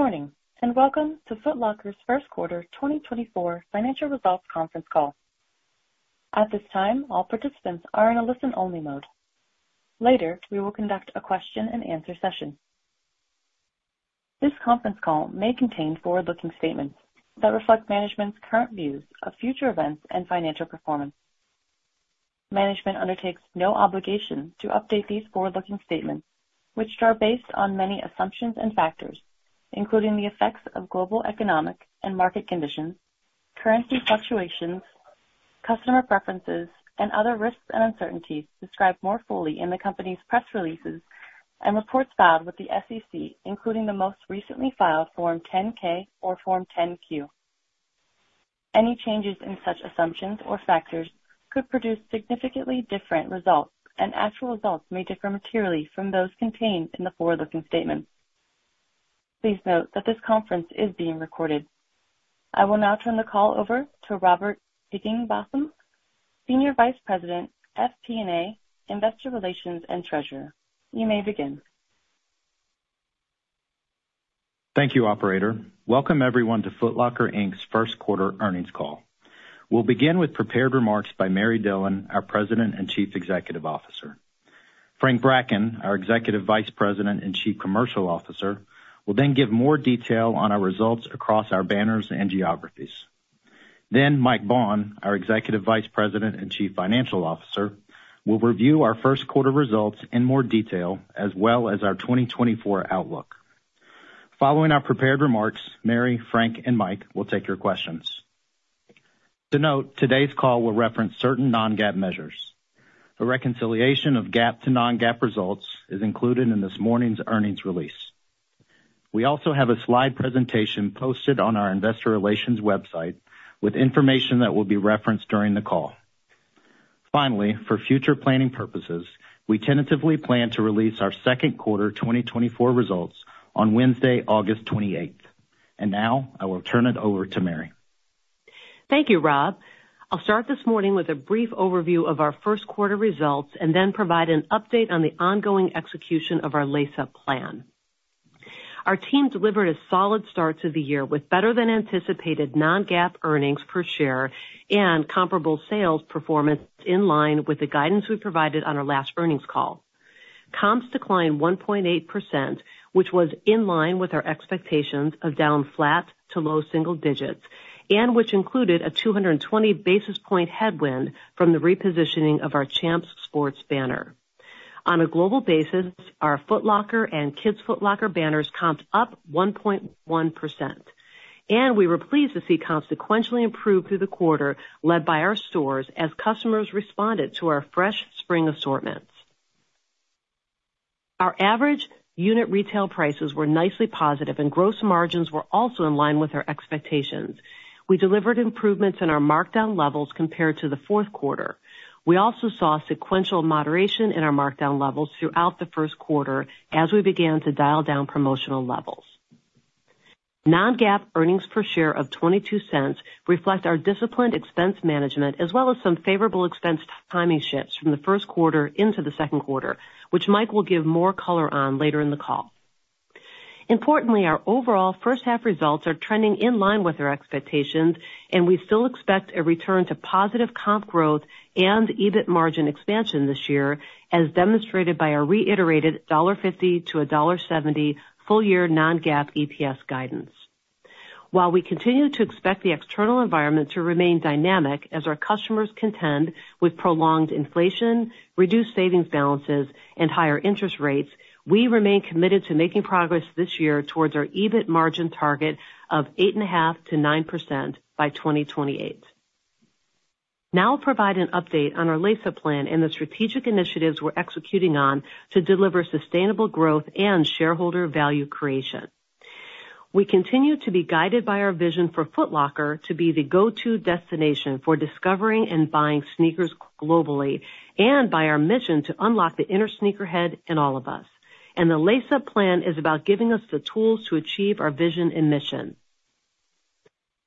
Good morning, and welcome to Foot Locker's first quarter 2024 financial results conference call. At this time, all participants are in a listen-only mode. Later, we will conduct a question-and-answer session. This conference call may contain forward-looking statements that reflect management's current views of future events and financial performance. Management undertakes no obligation to update these forward-looking statements, which are based on many assumptions and factors, including the effects of global economic and market conditions, currency fluctuations, customer preferences, and other risks and uncertainties described more fully in the company's press releases and reports filed with the SEC, including the most recently filed Form 10-K or Form 10-Q. Any changes in such assumptions or factors could produce significantly different results, and actual results may differ materially from those contained in the forward-looking statements. Please note that this conference is being recorded. I will now turn the call over to Robert Higginbotham, Senior Vice President, FP&A, Investor Relations, and Treasurer. You may begin. Thank you, operator. Welcome everyone to Foot Locker, Inc.'s first quarter earnings call. We'll begin with prepared remarks by Mary Dillon, our President and Chief Executive Officer. Frank Bracken, our Executive Vice President and Chief Commercial Officer, will then give more detail on our results across our banners and geographies. Mike Baughn, our Executive Vice President and Chief Financial Officer, will review our first quarter results in more detail as well as our 2024 outlook. Following our prepared remarks, Mary, Frank, and Mike will take your questions. To note, today's call will reference certain non-GAAP measures. A reconciliation of GAAP to non-GAAP results is included in this morning's earnings release. We also have a slide presentation posted on our investor relations website with information that will be referenced during the call. Finally, for future planning purposes, we tentatively plan to release our second quarter 2024 results on Wednesday, August 28th. Now I will turn it over to Mary. Thank you, Rob. I'll start this morning with a brief overview of our first quarter results and then provide an update on the ongoing execution of our Lace Up Plan. Our team delivered a solid start to the year with better than anticipated non-GAAP earnings per share and comparable sales performance in line with the guidance we provided on our last earnings call. Comps declined 1.8%, which was in line with our expectations of down flat to low single digits, and which included a 220 basis point headwind from the repositioning of our Champs Sports banner. On a global basis, our Foot Locker and Kids Foot Locker banners comped up 1.1%, and we were pleased to see comps sequentially improve through the quarter, led by our stores as customers responded to our fresh spring assortments. Our average unit retail prices were nicely positive and gross margins were also in line with our expectations. We delivered improvements in our markdown levels compared to the fourth quarter. We also saw sequential moderation in our markdown levels throughout the first quarter as we began to dial down promotional levels. Non-GAAP earnings per share of $0.22 reflect our disciplined expense management, as well as some favorable expense timing shifts from the first quarter into the second quarter, which Mike will give more color on later in the call. Importantly, our overall first half results are trending in line with our expectations, and we still expect a return to positive comp growth and EBIT margin expansion this year, as demonstrated by our reiterated $1.50-$1.70 full-year non-GAAP EPS guidance. While we continue to expect the external environment to remain dynamic as our customers contend with prolonged inflation, reduced savings balances, and higher interest rates, we remain committed to making progress this year towards our EBIT margin target of 8.5%-9% by 2028. Now I'll provide an update on our Lace Up plan and the strategic initiatives we're executing on to deliver sustainable growth and shareholder value creation. We continue to be guided by our vision for Foot Locker to be the go-to destination for discovering and buying sneakers globally and by our mission to unlock the inner sneakerhead in all of us. The Lace Up plan is about giving us the tools to achieve our vision and mission.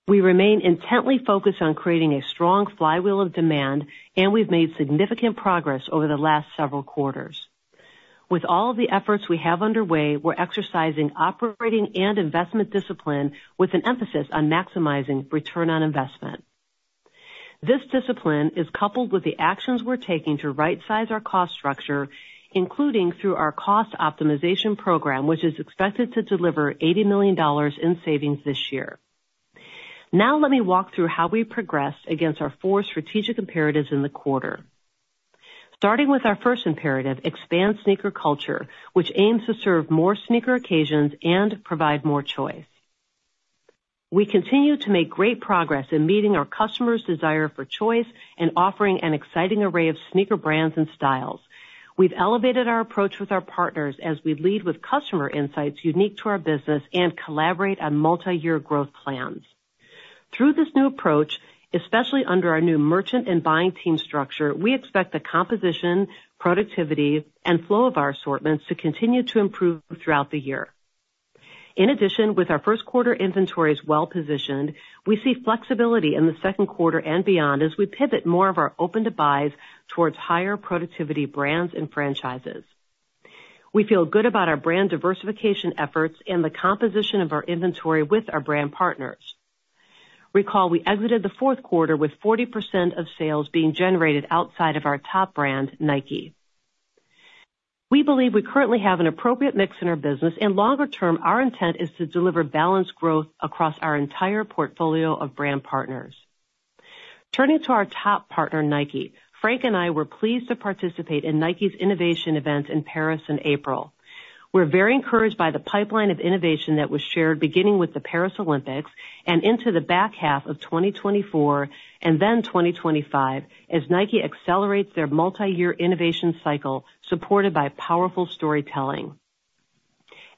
We remain intently focused on creating a strong flywheel of demand, and we've made significant progress over the last several quarters. With all of the efforts we have underway, we're exercising operating and investment discipline with an emphasis on maximizing return on investment. This discipline is coupled with the actions we're taking to rightsize our cost structure, including through our Cost Optimization Program, which is expected to deliver $80 million in savings this year. Now let me walk through how we progressed against our four strategic imperatives in the quarter. Starting with our first imperative, expand sneaker culture, which aims to serve more sneaker occasions and provide more choice. We continue to make great progress in meeting our customers' desire for choice and offering an exciting array of sneaker brands and styles. We've elevated our approach with our partners as we lead with customer insights unique to our business and collaborate on multiyear growth plans. Through this new approach, especially under our new merchant and buying team structure, we expect the composition, productivity, and flow of our assortments to continue to improve throughout the year. In addition, with our first quarter inventories well-positioned, we see flexibility in the second quarter and beyond as we pivot more of our open-to-buys towards higher productivity brands and franchises... We feel good about our brand diversification efforts and the composition of our inventory with our brand partners. Recall, we exited the fourth quarter with 40% of sales being generated outside of our top brand, Nike. We believe we currently have an appropriate mix in our business, and longer term, our intent is to deliver balanced growth across our entire portfolio of brand partners. Turning to our top partner, Nike, Frank and I were pleased to participate in Nike's innovation event in Paris in April. We're very encouraged by the pipeline of innovation that was shared, beginning with the Paris Olympics and into the back half of 2024 and then 2025, as Nike accelerates their multi-year innovation cycle, supported by powerful storytelling.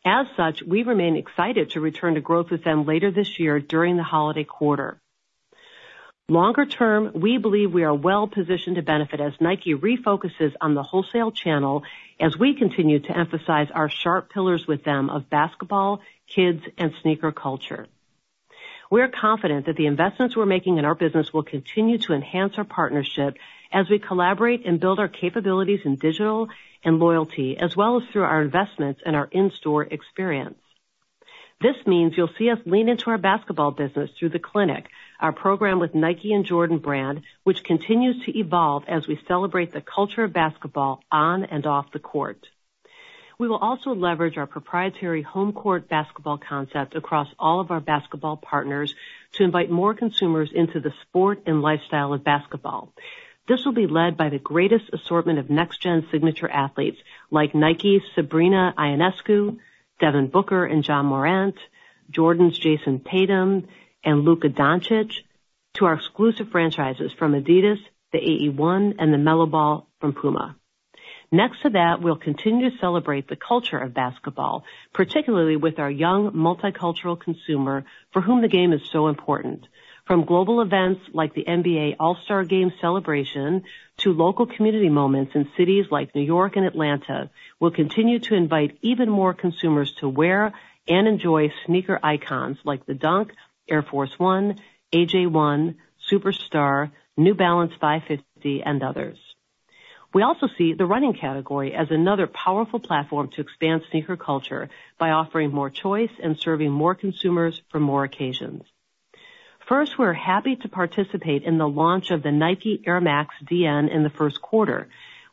As such, we remain excited to return to growth with them later this year during the holiday quarter. Longer term, we believe we are well positioned to benefit as Nike refocuses on the wholesale channel, as we continue to emphasize our sharp pillars with them of basketball, kids, and sneaker culture. We're confident that the investments we're making in our business will continue to enhance our partnership as we collaborate and build our capabilities in digital and loyalty, as well as through our investments in our in-store experience. This means you'll see us lean into our basketball business through The Clinic, our program with Nike and Jordan Brand, which continues to evolve as we celebrate the culture of basketball on and off the court. We will also leverage our proprietary HomeCourt basketball concept across all of our basketball partners to invite more consumers into the sport and lifestyle of basketball. This will be led by the greatest assortment of next-gen signature athletes, like Nike, Sabrina Ionescu, Devin Booker and Ja Morant, Jordan's Jayson Tatum and Luka Dončić, to our exclusive franchises from adidas, the AE 1, and the LaMelo Ball from PUMA. Next to that, we'll continue to celebrate the culture of basketball, particularly with our young, multicultural consumer, for whom the game is so important. From global events, like the NBA All-Star Game celebration, to local community moments in cities like New York and Atlanta, we'll continue to invite even more consumers to wear and enjoy sneaker icons like the Dunk, Air Force 1, AJ1, Superstar, New Balance 550, and others. We also see the running category as another powerful platform to expand sneaker culture by offering more choice and serving more consumers for more occasions. First, we're happy to participate in the launch of the Nike Air Max Dn in the first quarter.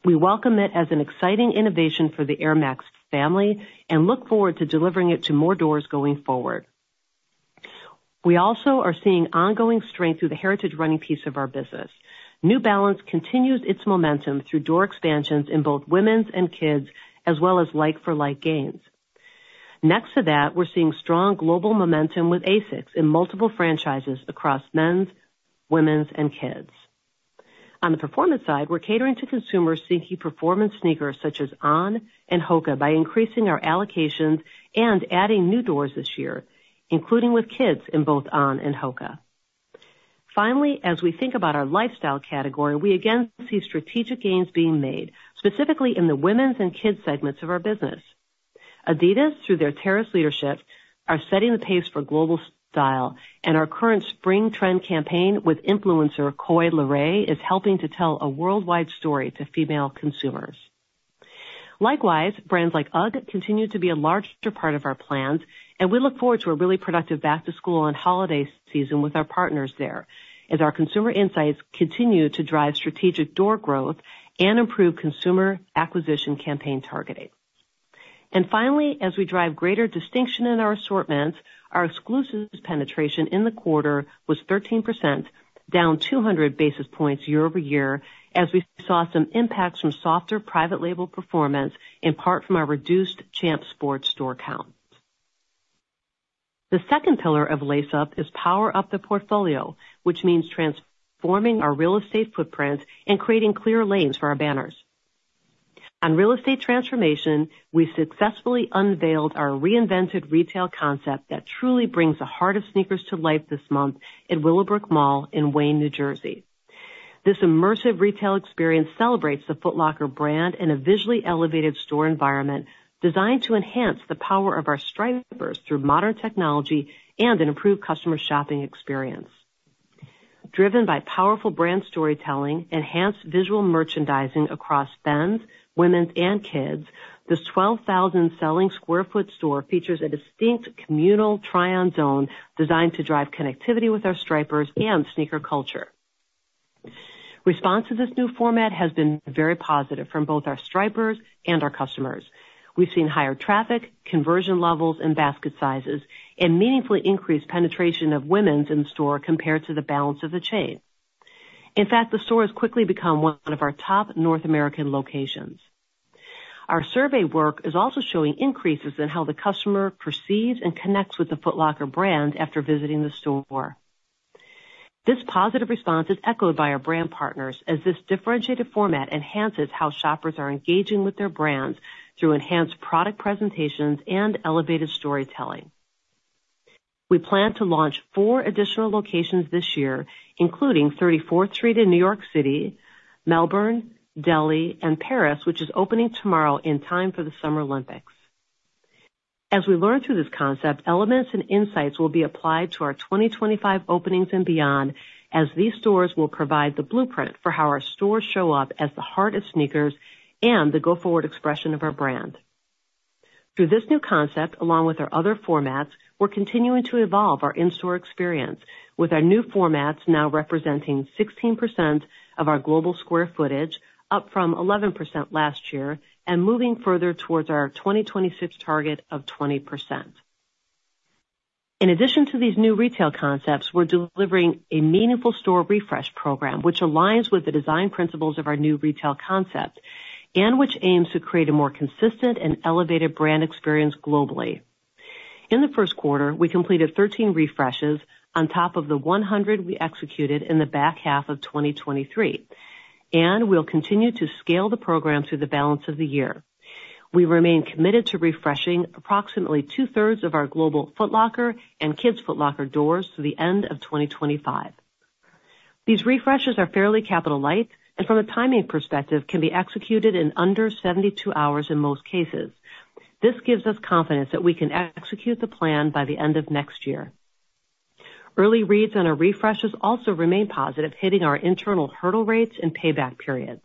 We welcome it as an exciting innovation for the Air Max family and look forward to delivering it to more doors going forward. We also are seeing ongoing strength through the heritage running piece of our business. New Balance continues its momentum through door expansions in both women's and kids, as well as like for like gains. Next to that, we're seeing strong global momentum with ASICS in multiple franchises across men's, women's, and kids. On the performance side, we're catering to consumers seeking performance sneakers such as On and HOKA by increasing our allocations and adding new doors this year, including with kids in both On and HOKA. Finally, as we think about our lifestyle category, we again see strategic gains being made, specifically in the women's and kids segments of our business. adidas, through their terrace leadership, are setting the pace for global style, and our current spring trend campaign with influencer Coi Leray is helping to tell a worldwide story to female consumers. Likewise, brands like UGG continue to be a larger part of our plans, and we look forward to a really productive back to school and holiday season with our partners there, as our consumer insights continue to drive strategic door growth and improve consumer acquisition campaign targeting. And finally, as we drive greater distinction in our assortments, our exclusive penetration in the quarter was 13%, down 200 basis points year-over-year, as we saw some impacts from softer private label performance, in part from our reduced Champs Sports store count. The second pillar of Lace Up is power up the portfolio, which means transforming our real estate footprint and creating clear lanes for our banners. On real estate transformation, we successfully unveiled our reinvented retail concept that truly brings the Heart of Sneakers to life this month in Willowbrook Mall in Wayne, New Jersey. This immersive retail experience celebrates the Foot Locker brand in a visually elevated store environment designed to enhance the power of our Stripers through modern technology and an improved customer shopping experience. Driven by powerful brand storytelling, enhanced visual merchandising across men's, women's, and kids, this 12,000 selling sq ft store features a distinct communal try-on zone designed to drive connectivity with our Stripers and sneaker culture. Response to this new format has been very positive from both our Stripers and our customers. We've seen higher traffic, conversion levels, and basket sizes, and meaningfully increased penetration of women's in store compared to the balance of the chain. In fact, the store has quickly become one of our top North American locations. Our survey work is also showing increases in how the customer perceives and connects with the Foot Locker brand after visiting the store. This positive response is echoed by our brand partners as this differentiated format enhances how shoppers are engaging with their brands through enhanced product presentations and elevated storytelling. We plan to launch four additional locations this year, including Thirty-Fourth Street in New York City, Melbourne, Delhi, and Paris, which is opening tomorrow in time for the Summer Olympics. As we learn through this concept, elements and insights will be applied to our 2025 openings and beyond, as these stores will provide the blueprint for how our stores show up as the Heart of Sneakers and the go-forward expression of our brand. Through this new concept, along with our other formats, we're continuing to evolve our in-store experience, with our new formats now representing 16% of our global square footage, up from 11% last year, and moving further towards our 2026 target of 20%. In addition to these new retail concepts, we're delivering a meaningful store refresh program, which aligns with the design principles of our new retail concept, and which aims to create a more consistent and elevated brand experience globally. In the first quarter, we completed 13 refreshes on top of the 100 we executed in the back half of 2023, and we'll continue to scale the program through the balance of the year. We remain committed to refreshing approximately two-thirds of our global Foot Locker and Kids Foot Locker doors through the end of 2025. These refreshes are fairly capital light, and from a timing perspective, can be executed in under 72 hours in most cases. This gives us confidence that we can execute the plan by the end of next year. Early reads on our refreshes also remain positive, hitting our internal hurdle rates and payback periods.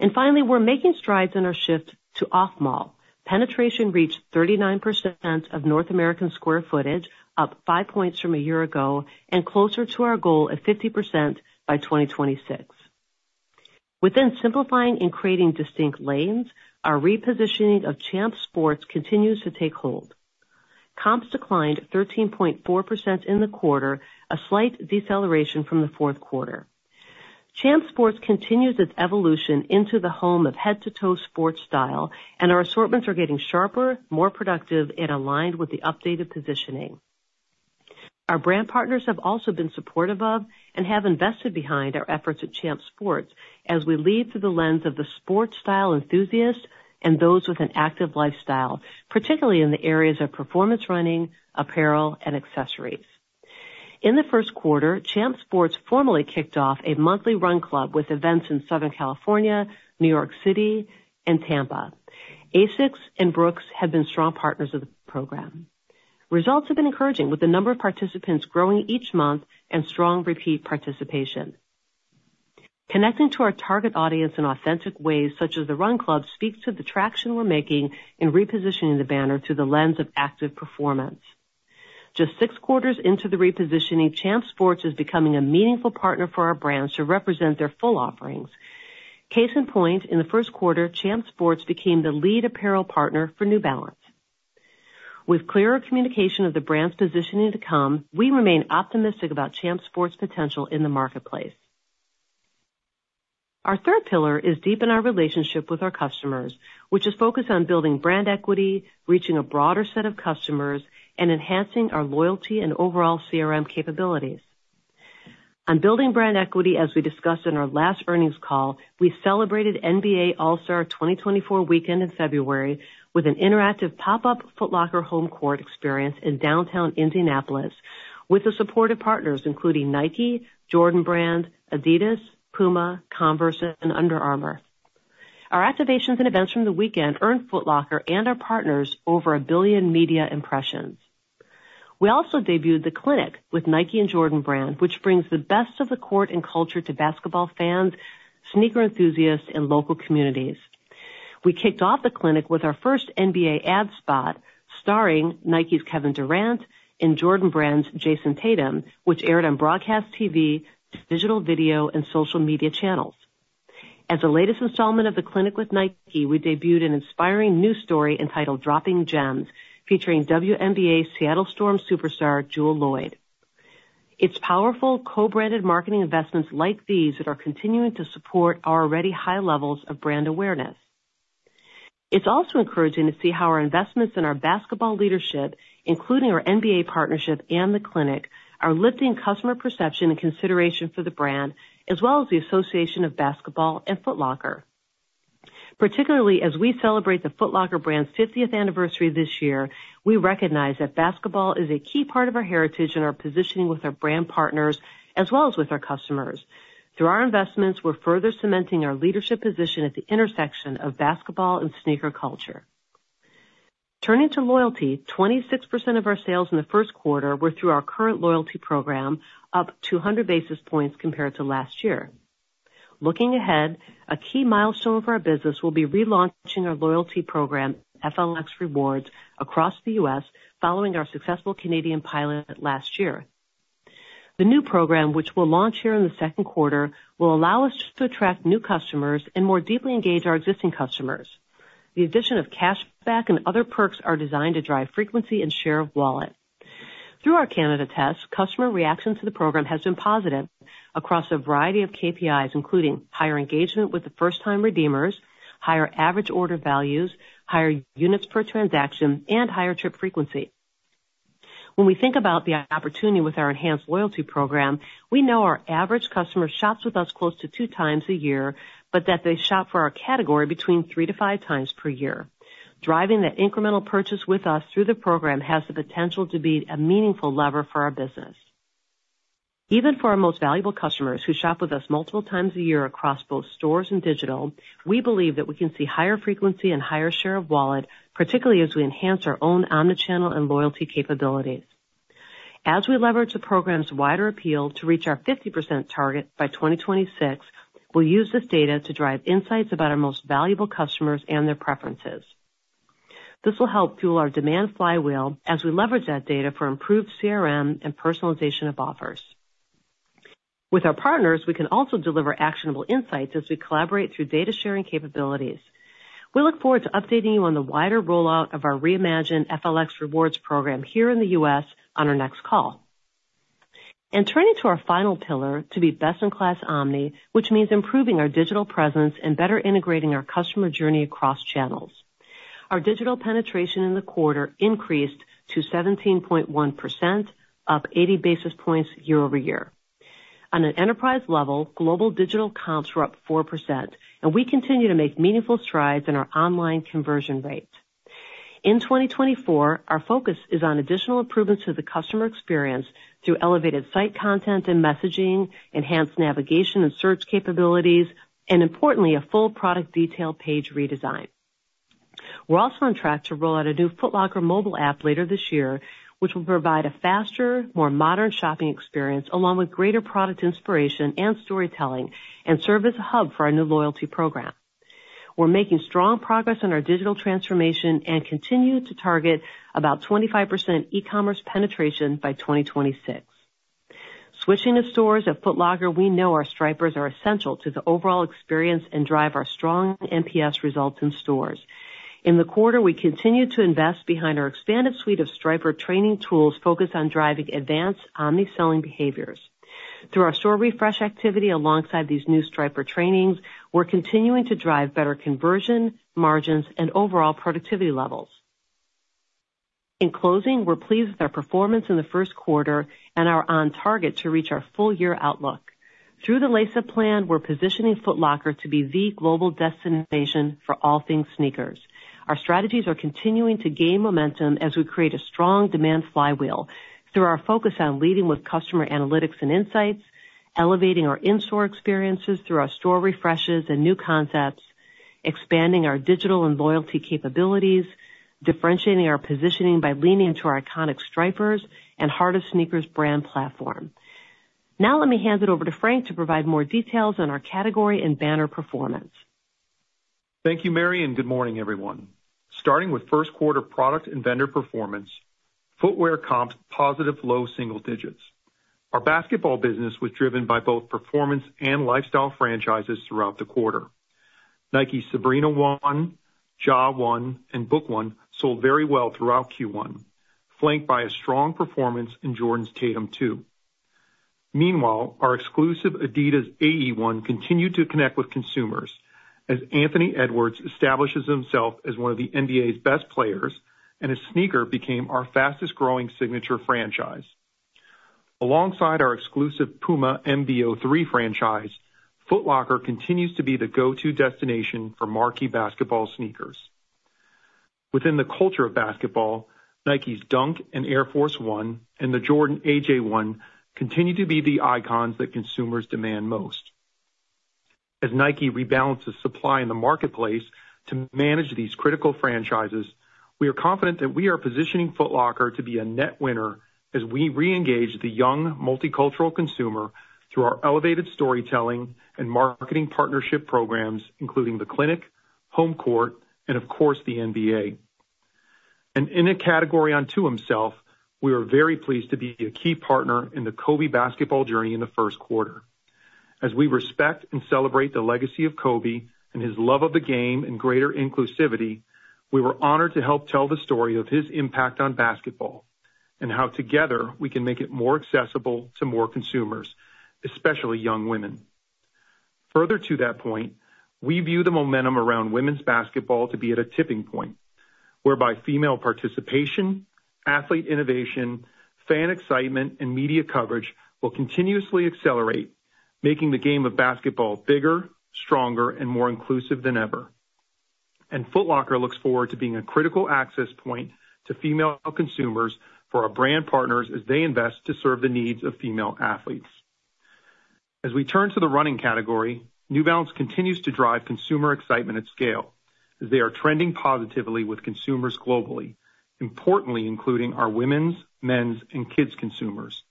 And finally, we're making strides in our shift to off-mall. Penetration reached 39% of North American square footage, up 5 points from a year ago, and closer to our goal of 50% by 2026. Within simplifying and creating distinct lanes, our repositioning of Champs Sports continues to take hold. Comps declined 13.4% in the quarter, a slight deceleration from the fourth quarter. Champs Sports continues its evolution into the home of head-to-toe sports style, and our assortments are getting sharper, more productive, and aligned with the updated positioning. Our brand partners have also been supportive of and have invested behind our efforts at Champs Sports as we lead through the lens of the sports style enthusiasts and those with an active lifestyle, particularly in the areas of performance running, apparel, and accessories. In the first quarter, Champs Sports formally kicked off a monthly run club with events in Southern California, New York City, and Tampa. ASICS and Brooks have been strong partners of the program. Results have been encouraging, with the number of participants growing each month and strong repeat participation. Connecting to our target audience in authentic ways, such as the run club, speaks to the traction we're making in repositioning the banner through the lens of active performance. Just six quarters into the repositioning, Champs Sports is becoming a meaningful partner for our brands to represent their full offerings. Case in point, in the first quarter, Champs Sports became the lead apparel partner for New Balance. With clearer communication of the brand's positioning to come, we remain optimistic about Champs Sports' potential in the marketplace. Our third pillar is deepen our relationship with our customers, which is focused on building brand equity, reaching a broader set of customers, and enhancing our loyalty and overall CRM capabilities. On building brand equity, as we discussed in our last earnings call, we celebrated NBA All-Star 2024 weekend in February with an interactive pop-up Foot Locker Home Court experience in downtown Indianapolis with the support of partners including Nike, Jordan Brand, adidas, PUMA, Converse, and Under Armour. Our activations and events from the weekend earned Foot Locker and our partners over 1 billion media impressions. We also debuted The Clinic with Nike and Jordan Brand, which brings the best of the court and culture to basketball fans, sneaker enthusiasts, and local communities. We kicked off The Clinic with our first NBA ad spot starring Nike's Kevin Durant and Jordan Brand's Jayson Tatum, which aired on broadcast TV, digital video, and social media channels. As the latest installment of The Clinic with Nike, we debuted an inspiring new story entitled Dropping Gems, featuring WNBA Seattle Storm superstar Jewell Loyd. It's powerful co-branded marketing investments like these that are continuing to support our already high levels of brand awareness. It's also encouraging to see how our investments in our basketball leadership, including our NBA partnership and The Clinic, are lifting customer perception and consideration for the brand, as well as the association of basketball and Foot Locker. Particularly, as we celebrate the Foot Locker brand's fiftieth anniversary this year, we recognize that basketball is a key part of our heritage and our positioning with our brand partners, as well as with our customers. Through our investments, we're further cementing our leadership position at the intersection of basketball and sneaker culture. Turning to loyalty, 26% of our sales in the first quarter were through our current loyalty program, up 200 basis points compared to last year. Looking ahead, a key milestone for our business will be relaunching our loyalty program, FLX Rewards, across the U.S., following our successful Canadian pilot last year. The new program, which we'll launch here in the second quarter, will allow us to attract new customers and more deeply engage our existing customers. The addition of cash back and other perks are designed to drive frequency and share of wallet. Through our Canada test, customer reaction to the program has been positive across a variety of KPIs, including higher engagement with the first-time redeemers, higher average order values, higher units per transaction, and higher trip frequency. When we think about the opportunity with our enhanced loyalty program, we know our average customer shops with us close to 2 times a year, but that they shop for our category between 3-5 times per year. Driving that incremental purchase with us through the program has the potential to be a meaningful lever for our business. Even for our most valuable customers who shop with us multiple times a year across both stores and digital, we believe that we can see higher frequency and higher share of wallet, particularly as we enhance our own omni-channel and loyalty capabilities. As we leverage the program's wider appeal to reach our 50% target by 2026, we'll use this data to drive insights about our most valuable customers and their preferences. This will help fuel our demand flywheel as we leverage that data for improved CRM and personalization of offers. With our partners, we can also deliver actionable insights as we collaborate through data sharing capabilities. We look forward to updating you on the wider rollout of our reimagined FLX Rewards program here in the U.S. on our next call. Turning to our final pillar, to be best-in-class omni, which means improving our digital presence and better integrating our customer journey across channels. Our digital penetration in the quarter increased to 17.1%, up 80 basis points year-over-year. On an enterprise level, global digital comps were up 4%, and we continue to make meaningful strides in our online conversion rate. In 2024, our focus is on additional improvements to the customer experience through elevated site content and messaging, enhanced navigation and search capabilities, and importantly, a full product detail page redesign. We're also on track to roll out a new Foot Locker mobile app later this year, which will provide a faster, more modern shopping experience, along with greater product inspiration and storytelling, and serve as a hub for our new loyalty program. We're making strong progress on our digital transformation and continue to target about 25% e-commerce penetration by 2026. Switching to stores, at Foot Locker, we know our Stripers are essential to the overall experience and drive our strong NPS results in stores. In the quarter, we continued to invest behind our expanded suite of Striper training tools focused on driving advanced omni-selling behaviors. Through our store refresh activity alongside these new Striper trainings, we're continuing to drive better conversion, margins, and overall productivity levels. In closing, we're pleased with our performance in the first quarter and are on target to reach our full year outlook. Through the Lace Up Plan, we're positioning Foot Locker to be the global destination for all things sneakers. Our strategies are continuing to gain momentum as we create a strong demand flywheel through our focus on leading with customer analytics and insights, elevating our in-store experiences through our store refreshes and new concepts, expanding our digital and loyalty capabilities, differentiating our positioning by leaning into our iconic Stripers and Heart of Sneakers brand platform. Now, let me hand it over to Frank to provide more details on our category and banner performance. Thank you, Mary, and good morning, everyone. Starting with first quarter product and vendor performance, footwear comps positive, low single digits. Our basketball business was driven by both performance and lifestyle franchises throughout the quarter. Nike Sabrina 1, Ja 1, and Book 1 sold very well throughout Q1, flanked by a strong performance in Jordan's Tatum 2. Meanwhile, our exclusive adidas AE 1 continued to connect with consumers as Anthony Edwards establishes himself as one of the NBA's best players, and his sneaker became our fastest growing signature franchise. Alongside our exclusive PUMA MB.03 franchise, Foot Locker continues to be the go-to destination for marquee basketball sneakers. Within the culture of basketball, Nike's Dunk and Air Force 1 and the Jordan AJ 1 continue to be the icons that consumers demand most. As Nike rebalances supply in the marketplace to manage these critical franchises, we are confident that we are positioning Foot Locker to be a net winner as we reengage the young, multicultural consumer through our elevated storytelling and marketing partnership programs, including The Clinic, Home Court, and, of course, the NBA. And in a category unto himself, we are very pleased to be a key partner in the Kobe basketball journey in the first quarter. As we respect and celebrate the legacy of Kobe and his love of the game and greater inclusivity, we were honored to help tell the story of his impact on basketball and how together we can make it more accessible to more consumers, especially young women. Further to that point, we view the momentum around women's basketball to be at a tipping point, whereby female participation, athlete innovation, fan excitement, and media coverage will continuously accelerate, making the game of basketball bigger, stronger, and more inclusive than ever. Foot Locker looks forward to being a critical access point to female consumers for our brand partners as they invest to serve the needs of female athletes. As we turn to the running category, New Balance continues to drive consumer excitement at scale, as they are trending positively with consumers globally, importantly, including our women's, men's, and kids' consumers.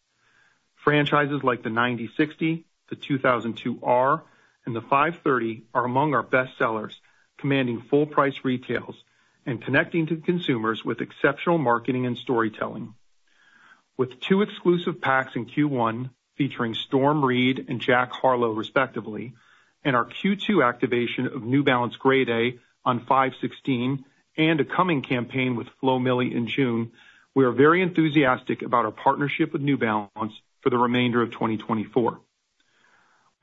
Franchises like the 9060, the 2002R, and the 530 are among our best sellers, commanding full price retails and connecting to consumers with exceptional marketing and storytelling. With two exclusive packs in Q1, featuring Storm Reid and Jack Harlow, respectively, and our Q2 activation of New Balance Grey Day on 5/16 and a coming campaign with Flo Milli in June, we are very enthusiastic about our partnership with New Balance for the remainder of 2024.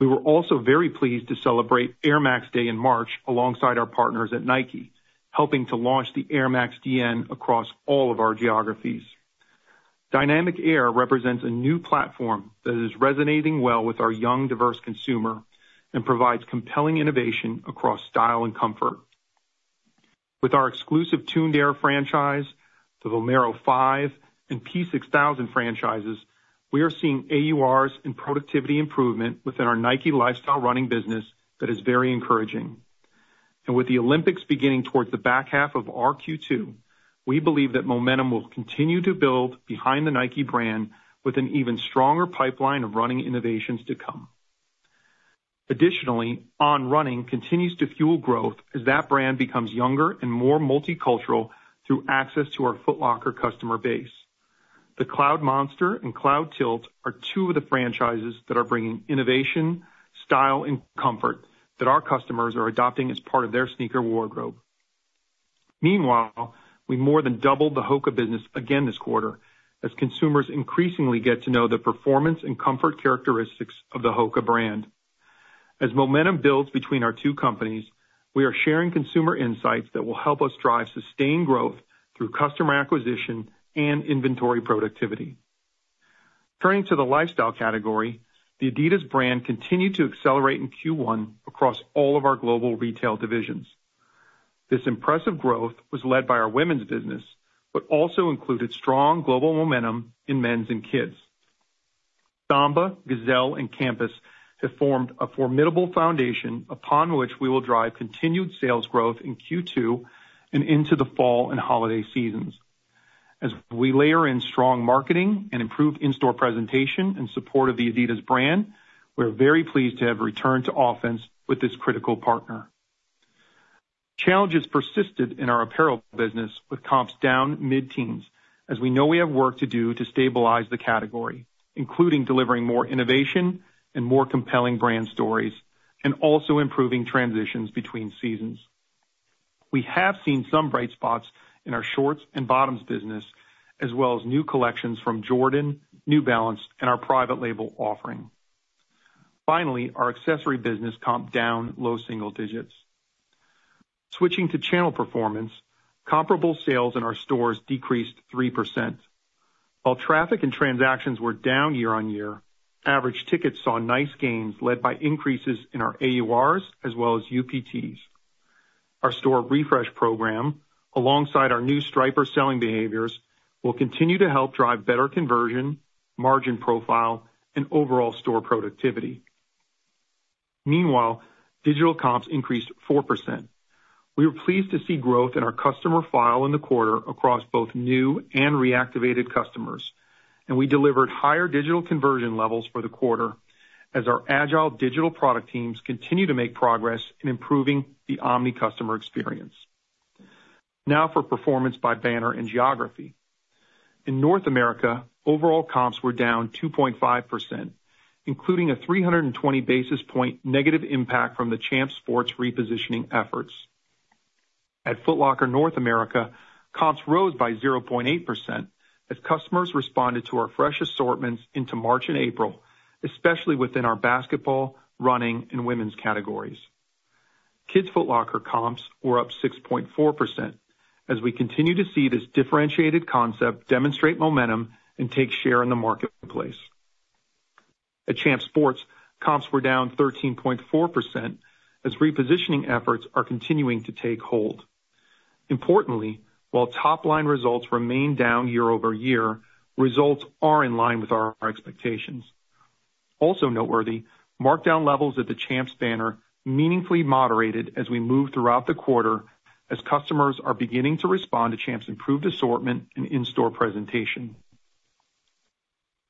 We were also very pleased to celebrate Air Max Day in March alongside our partners at Nike, helping to launch the Air Max Dn across all of our geographies. Dynamic Air represents a new platform that is resonating well with our young, diverse consumer and provides compelling innovation across style and comfort.... With our exclusive Tuned Air franchise, the Vomero 5 and P-6000 franchises, we are seeing AURs and productivity improvement within our Nike lifestyle running business that is very encouraging. With the Olympics beginning towards the back half of our Q2, we believe that momentum will continue to build behind the Nike brand with an even stronger pipeline of running innovations to come. Additionally, On Running continues to fuel growth as that brand becomes younger and more multicultural through access to our Foot Locker customer base. The Cloudmonster and Cloudtilt are two of the franchises that are bringing innovation, style, and comfort that our customers are adopting as part of their sneaker wardrobe. Meanwhile, we more than doubled the HOKA business again this quarter, as consumers increasingly get to know the performance and comfort characteristics of the HOKA brand. As momentum builds between our two companies, we are sharing consumer insights that will help us drive sustained growth through customer acquisition and inventory productivity. Turning to the lifestyle category, the adidas brand continued to accelerate in Q1 across all of our global retail divisions. This impressive growth was led by our women's business, but also included strong global momentum in men's and kids. Samba, Gazelle, and Campus have formed a formidable foundation upon which we will drive continued sales growth in Q2 and into the fall and holiday seasons. As we layer in strong marketing and improved in-store presentation in support of the adidas brand, we're very pleased to have returned to offense with this critical partner. Challenges persisted in our apparel business, with comps down mid-teens, as we know we have work to do to stabilize the category, including delivering more innovation and more compelling brand stories, and also improving transitions between seasons. We have seen some bright spots in our shorts and bottoms business, as well as new collections from Jordan, New Balance, and our private label offering. Finally, our accessory business comped down low single digits. Switching to channel performance, comparable sales in our stores decreased 3%. While traffic and transactions were down year-on-year, average tickets saw nice gains led by increases in our AURs as well as UPTs. Our store refresh program, alongside our new striper selling behaviors, will continue to help drive better conversion, margin profile, and overall store productivity. Meanwhile, digital comps increased 4%. We were pleased to see growth in our customer file in the quarter across both new and reactivated customers, and we delivered higher digital conversion levels for the quarter as our agile digital product teams continue to make progress in improving the omni customer experience. Now for performance by banner and geography. In North America, overall comps were down 2.5%, including a 320 basis point negative impact from the Champs Sports repositioning efforts. At Foot Locker North America, comps rose by 0.8% as customers responded to our fresh assortments into March and April, especially within our basketball, running, and women's categories. Kids' Foot Locker comps were up 6.4% as we continue to see this differentiated concept demonstrate momentum and take share in the marketplace. At Champs Sports, comps were down 13.4% as repositioning efforts are continuing to take hold. Importantly, while top-line results remain down year-over-year, results are in line with our expectations. Also noteworthy, markdown levels at the Champs banner meaningfully moderated as we moved throughout the quarter, as customers are beginning to respond to Champs' improved assortment and in-store presentation.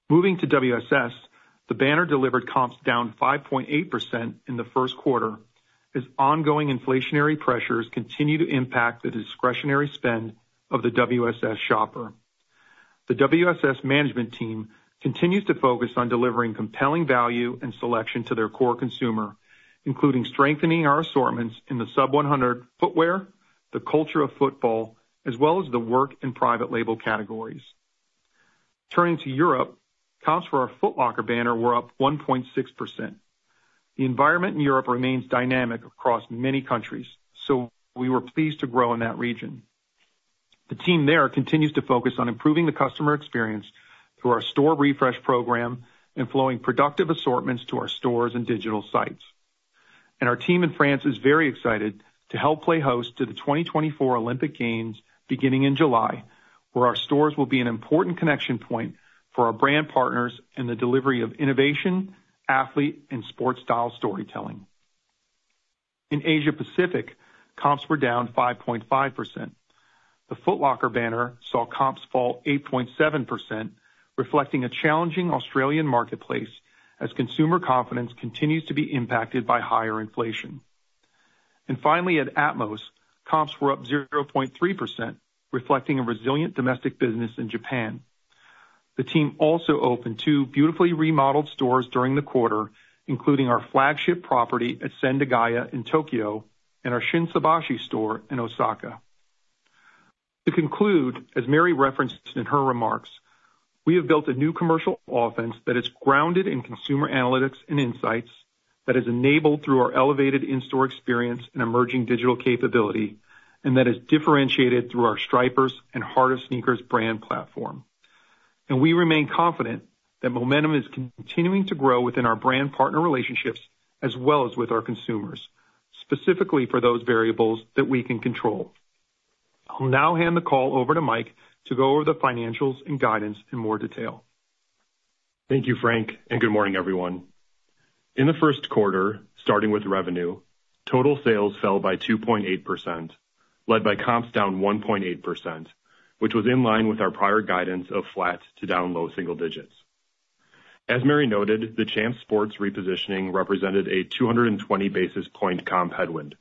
Moving to WSS, the banner delivered comps down 5.8% in the first quarter, as ongoing inflationary pressures continue to impact the discretionary spend of the WSS shopper. The WSS management team continues to focus on delivering compelling value and selection to their core consumer, including strengthening our assortments in the sub-$100 footwear, the culture of football, as well as the work and private label categories. Turning to Europe, comps for our Foot Locker banner were up 1.6%. The environment in Europe remains dynamic across many countries, so we were pleased to grow in that region. The team there continues to focus on improving the customer experience through our store refresh program and flowing productive assortments to our stores and digital sites. And our team in France is very excited to help play host to the 2024 Olympic Games beginning in July, where our stores will be an important connection point for our brand partners in the delivery of innovation, athlete, and sports style storytelling. In Asia Pacific, comps were down 5.5%. The Foot Locker banner saw comps fall 8.7%, reflecting a challenging Australian marketplace as consumer confidence continues to be impacted by higher inflation. And finally, at atmos, comps were up 0.3%, reflecting a resilient domestic business in Japan. The team also opened 2 beautifully remodeled stores during the quarter, including our flagship property at Sendagaya in Tokyo and our Shinsaibashi store in Osaka. To conclude, as Mary referenced in her remarks, we have built a new commercial offense that is grounded in consumer analytics and insights, that is enabled through our elevated in-store experience and emerging digital capability, and that is differentiated through our Stripers and Heart of Sneakers brand platform.... and we remain confident that momentum is continuing to grow within our brand partner relationships as well as with our consumers, specifically for those variables that we can control. I'll now hand the call over to Mike to go over the financials and guidance in more detail. Thank you, Frank, and good morning, everyone. In the first quarter, starting with revenue, total sales fell by 2.8%, led by comps down 1.8%, which was in line with our prior guidance of flat to down low single digits. As Mary noted, the Champs Sports repositioning represented a 220 basis point comp headwind.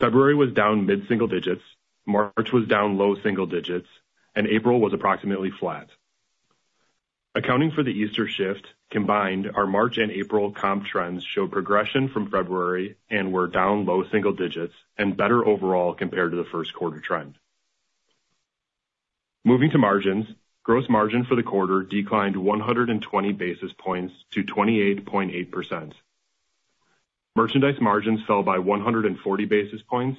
February was down mid-single digits, March was down low single digits, and April was approximately flat. Accounting for the Easter shift, combined, our March and April comp trends showed progression from February and were down low single digits and better overall compared to the first quarter trend. Moving to margins, gross margin for the quarter declined 120 basis points to 28.8%. Merchandise margins fell by 140 basis points,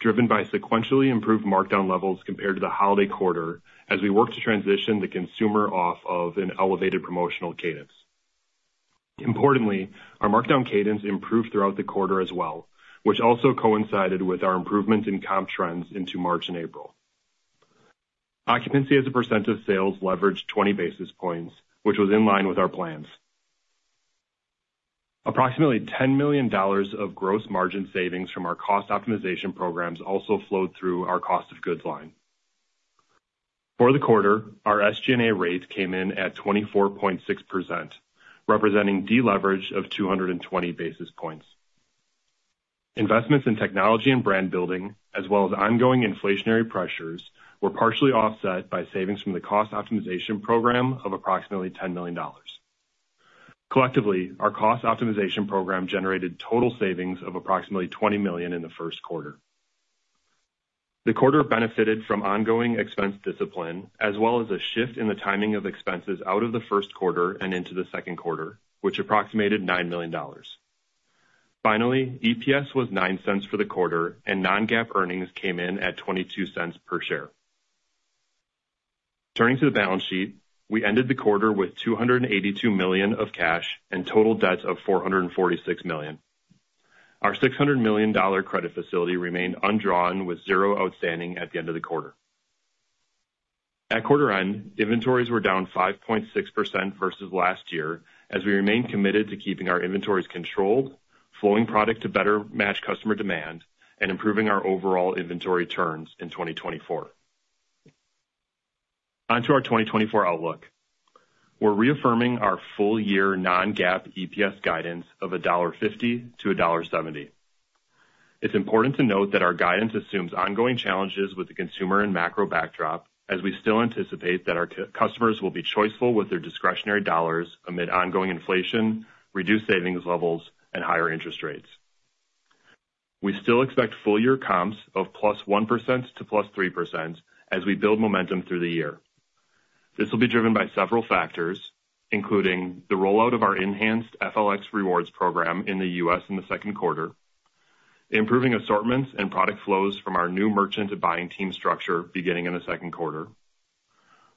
driven by sequentially improved markdown levels compared to the holiday quarter as we worked to transition the consumer off of an elevated promotional cadence. Importantly, our markdown cadence improved throughout the quarter as well, which also coincided with our improvements in comp trends into March and April. Occupancy as a percent of sales leveraged 20 basis points, which was in line with our plans. Approximately $10 million of gross margin savings from our cost optimization programs also flowed through our cost of goods line. For the quarter, our SG&A rate came in at 24.6%, representing deleverage of 220 basis points. Investments in technology and brand building, as well as ongoing inflationary pressures, were partially offset by savings from the cost optimization program of approximately $10 million. Collectively, our Cost Optimization Program generated total savings of approximately $20 million in the first quarter. The quarter benefited from ongoing expense discipline, as well as a shift in the timing of expenses out of the first quarter and into the second quarter, which approximated $9 million. Finally, EPS was $0.09 for the quarter, and non-GAAP earnings came in at $0.22 per share. Turning to the balance sheet, we ended the quarter with $282 million of cash and total debt of $446 million. Our $600 million credit facility remained undrawn, with 0 outstanding at the end of the quarter. At quarter end, inventories were down 5.6% versus last year, as we remain committed to keeping our inventories controlled, flowing product to better match customer demand, and improving our overall inventory turns in 2024. On to our 2024 outlook. We're reaffirming our full-year non-GAAP EPS guidance of $1.50-$1.70. It's important to note that our guidance assumes ongoing challenges with the consumer and macro backdrop, as we still anticipate that our customers will be choiceful with their discretionary dollars amid ongoing inflation, reduced savings levels, and higher interest rates. We still expect full-year comps of +1% to +3% as we build momentum through the year. This will be driven by several factors, including the rollout of our enhanced FLX Rewards program in the U.S. in the second quarter, improving assortments and product flows from our new merchant to buying team structure beginning in the second quarter,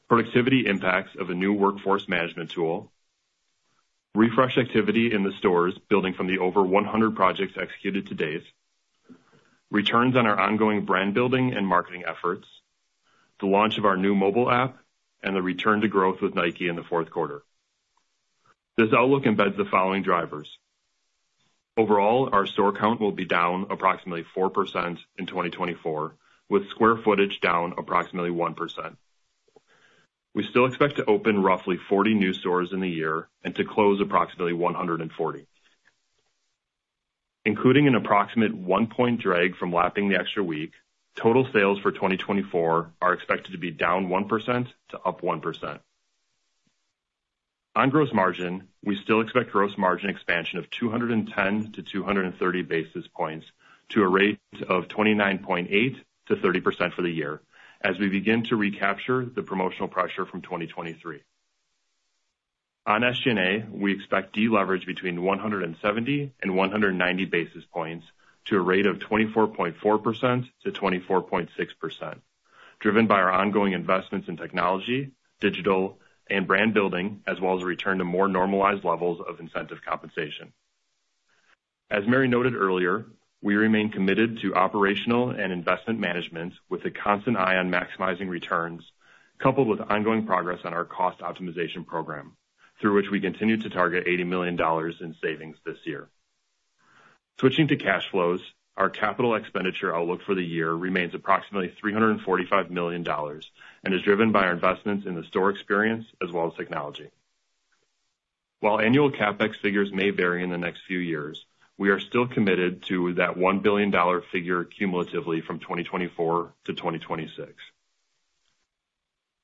productivity impacts of a new workforce management tool, refresh activity in the stores, building from the over 100 projects executed to date, returns on our ongoing brand building and marketing efforts, the launch of our new mobile app, and the return to growth with Nike in the fourth quarter. This outlook embeds the following drivers: Overall, our store count will be down approximately 4% in 2024, with square footage down approximately 1%. We still expect to open roughly 40 new stores in the year and to close approximately 140. Including an approximate 1-point drag from lapping the extra week, total sales for 2024 are expected to be down 1% to up 1%. On gross margin, we still expect gross margin expansion of 210-230 basis points to a rate of 29.8%-30% for the year as we begin to recapture the promotional pressure from 2023. On SG&A, we expect deleverage between 170 and 190 basis points to a rate of 24.4%-24.6%, driven by our ongoing investments in technology, digital, and brand building, as well as a return to more normalized levels of incentive compensation. As Mary noted earlier, we remain committed to operational and investment management with a constant eye on maximizing returns, coupled with ongoing progress on our cost optimization program, through which we continue to target $80 million in savings this year. Switching to cash flows, our capital expenditure outlook for the year remains approximately $345 million and is driven by our investments in the store experience as well as technology. While annual CapEx figures may vary in the next few years, we are still committed to that $1 billion figure cumulatively from 2024 to 2026.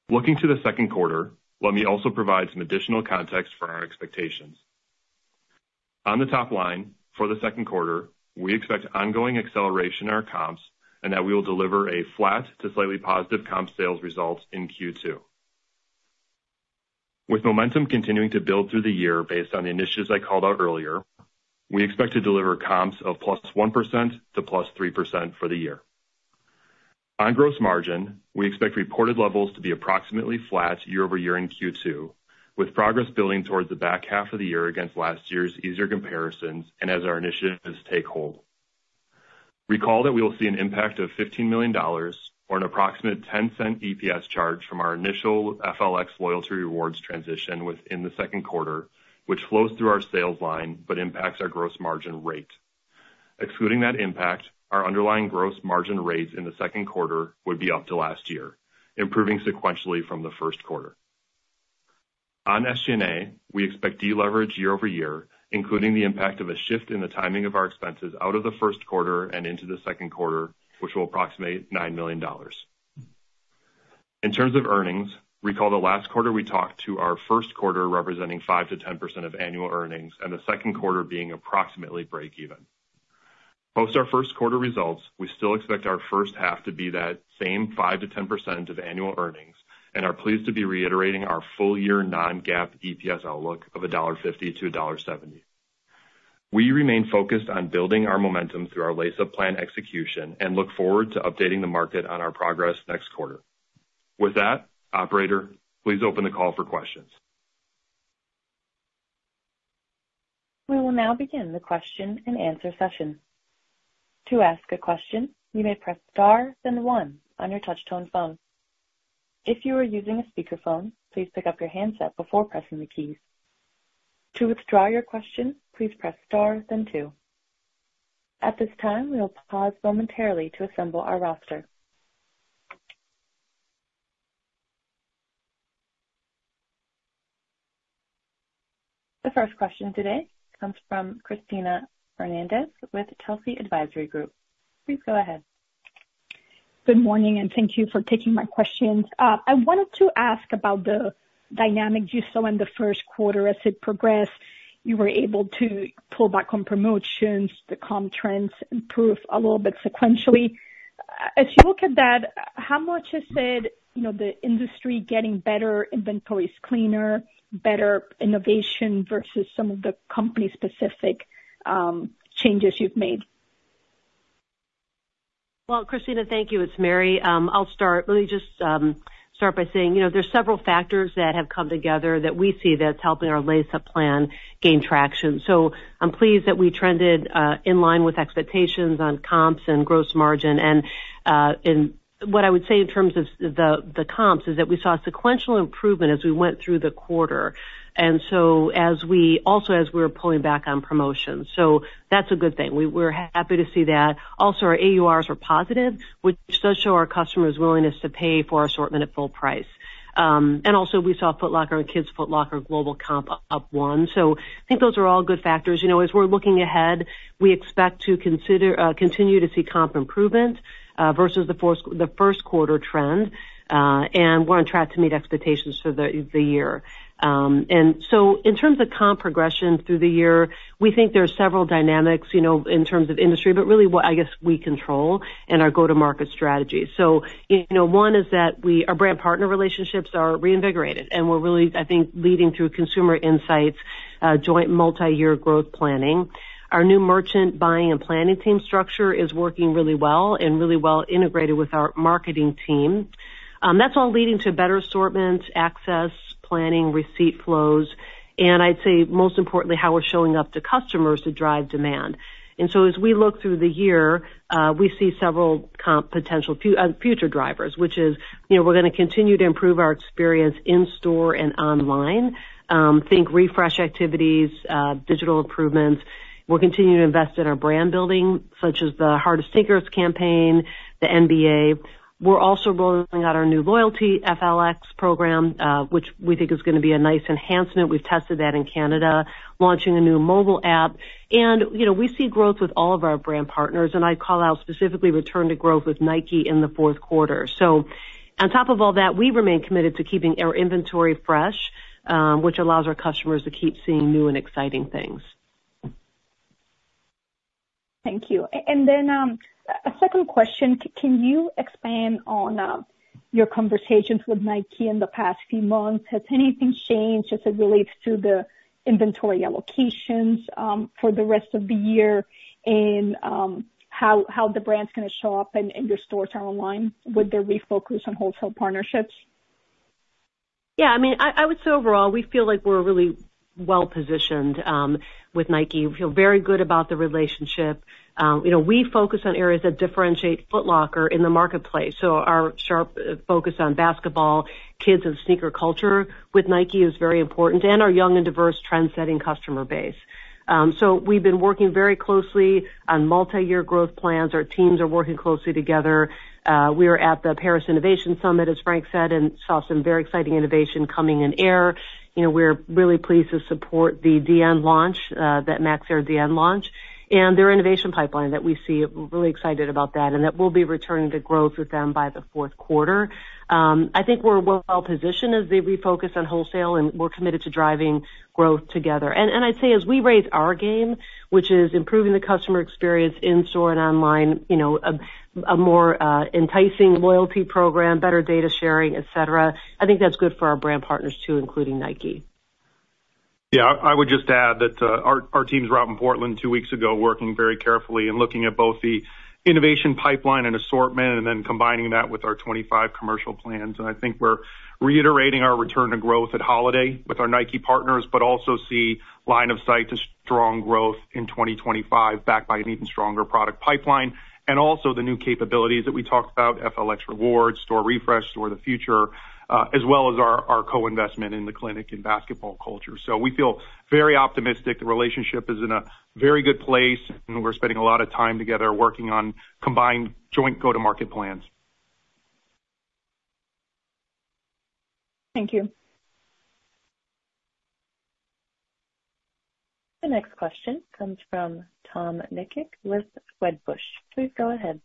Looking to the second quarter, let me also provide some additional context for our expectations. On the top line, for the second quarter, we expect ongoing acceleration in our comps and that we will deliver a flat to slightly positive comp sales result in Q2. With momentum continuing to build through the year based on the initiatives I called out earlier, we expect to deliver comps of 1%-3% for the year. On gross margin, we expect reported levels to be approximately flat year-over-year in Q2, with progress building towards the back half of the year against last year's easier comparisons and as our initiatives take hold. Recall that we will see an impact of $15 million or an approximate $0.10 EPS charge from our initial FLX Rewards transition within the second quarter, which flows through our sales line but impacts our gross margin rate. Excluding that impact, our underlying gross margin rates in the second quarter would be up to last year, improving sequentially from the first quarter. On SG&A, we expect deleverage year-over-year, including the impact of a shift in the timing of our expenses out of the first quarter and into the second quarter, which will approximate $9 million. In terms of earnings, recall that last quarter we talked to our first quarter representing 5%-10% of annual earnings and the second quarter being approximately breakeven. Post our first quarter results, we still expect our first half to be that same 5%-10% of annual earnings and are pleased to be reiterating our full-year non-GAAP EPS outlook of $1.50-$1.70. We remain focused on building our momentum through our Lace Up Plan execution and look forward to updating the market on our progress next quarter. With that, operator, please open the call for questions. We will now begin the question and answer session. To ask a question, you may press star, then one on your touch tone phone. If you are using a speakerphone, please pick up your handset before pressing the keys. To withdraw your question, please press star then two. At this time, we will pause momentarily to assemble our roster. The first question today comes from Cristina Fernandez with Telsey Advisory Group. Please go ahead. Good morning, and thank you for taking my questions. I wanted to ask about the dynamics you saw in the first quarter. As it progressed, you were able to pull back on promotions, the Comp trends improved a little bit sequentially. As you look at that, how much is it, you know, the industry getting better, inventories cleaner, better innovation versus some of the company-specific changes you've made? Well, Christina, thank you. It's Mary. I'll start. Let me just start by saying, you know, there are several factors that have come together that we see that's helping our Lace Up Plan gain traction. So I'm pleased that we trended in line with expectations on comps and gross margin. And what I would say in terms of the comps is that we saw a sequential improvement as we went through the quarter, and so as we also were pulling back on promotions. So that's a good thing. We're happy to see that. Also, our AURs were positive, which does show our customers' willingness to pay for assortment at full price. And also, we saw Foot Locker and Kids Foot Locker global comp up 1. So I think those are all good factors. You know, as we're looking ahead, we expect to continue to see comp improvement versus the first quarter trend, and we're on track to meet expectations for the year. And so in terms of comp progression through the year, we think there are several dynamics, you know, in terms of industry, but really what, I guess, we control and our go-to-market strategy. So, you know, one is that our brand partner relationships are reinvigorated, and we're really, I think, leading through consumer insights, joint multi-year growth planning. Our new merchant buying and planning team structure is working really well and really well integrated with our marketing team. That's all leading to better assortments, access, planning, receipt flows, and I'd say, most importantly, how we're showing up to customers to drive demand. And so as we look through the year, we see several comp potential future drivers, which is, you know, we're gonna continue to improve our experience in store and online. Think refresh activities, digital improvements. We're continuing to invest in our brand building, such as the Heart of Sneakers campaign, the NBA. We're also rolling out our new loyalty, FLX program, which we think is gonna be a nice enhancement. We've tested that in Canada, launching a new mobile app, and, you know, we see growth with all of our brand partners, and I'd call out specifically return to growth with Nike in the fourth quarter. So on top of all that, we remain committed to keeping our inventory fresh, which allows our customers to keep seeing new and exciting things. Thank you. And then a second question: Can you expand on your conversations with Nike in the past few months? Has anything changed as it relates to the inventory allocations for the rest of the year, and how the brand is gonna show up in your stores or online with the refocus on wholesale partnerships? Yeah, I mean, I, I would say overall, we feel like we're really well positioned with Nike. We feel very good about the relationship. You know, we focus on areas that differentiate Foot Locker in the marketplace. So our sharp focus on basketball, kids, and sneaker culture with Nike is very important and our young and diverse trendsetting customer base. So we've been working very closely on multi-year growth plans. Our teams are working closely together. We are at the Paris Innovation Summit, as Frank said, and saw some very exciting innovation coming in Air. You know, we're really pleased to support the DN launch, that Max Air Dn launch and their innovation pipeline that we see. We're really excited about that, and that we'll be returning to growth with them by the fourth quarter. I think we're well positioned as they refocus on wholesale, and we're committed to driving growth together. And I'd say as we raise our game, which is improving the customer experience in-store and online, you know, a more enticing loyalty program, better data sharing, et cetera, I think that's good for our brand partners, too, including Nike. ... Yeah, I would just add that, our teams were out in Portland two weeks ago, working very carefully and looking at both the innovation pipeline and assortment, and then combining that with our 25 commercial plans. And I think we're reiterating our return to growth at holiday with our Nike partners, but also see line of sight to strong growth in 2025, backed by an even stronger product pipeline, and also the new capabilities that we talked about, FLX Rewards, Store Refresh, Store of the Future, as well as our co-investment in The Clinic and basketball culture. So we feel very optimistic. The relationship is in a very good place, and we're spending a lot of time together working on combined joint go-to-market plans. Thank you. The next question comes from Tom Nikic with Wedbush. Please go ahead.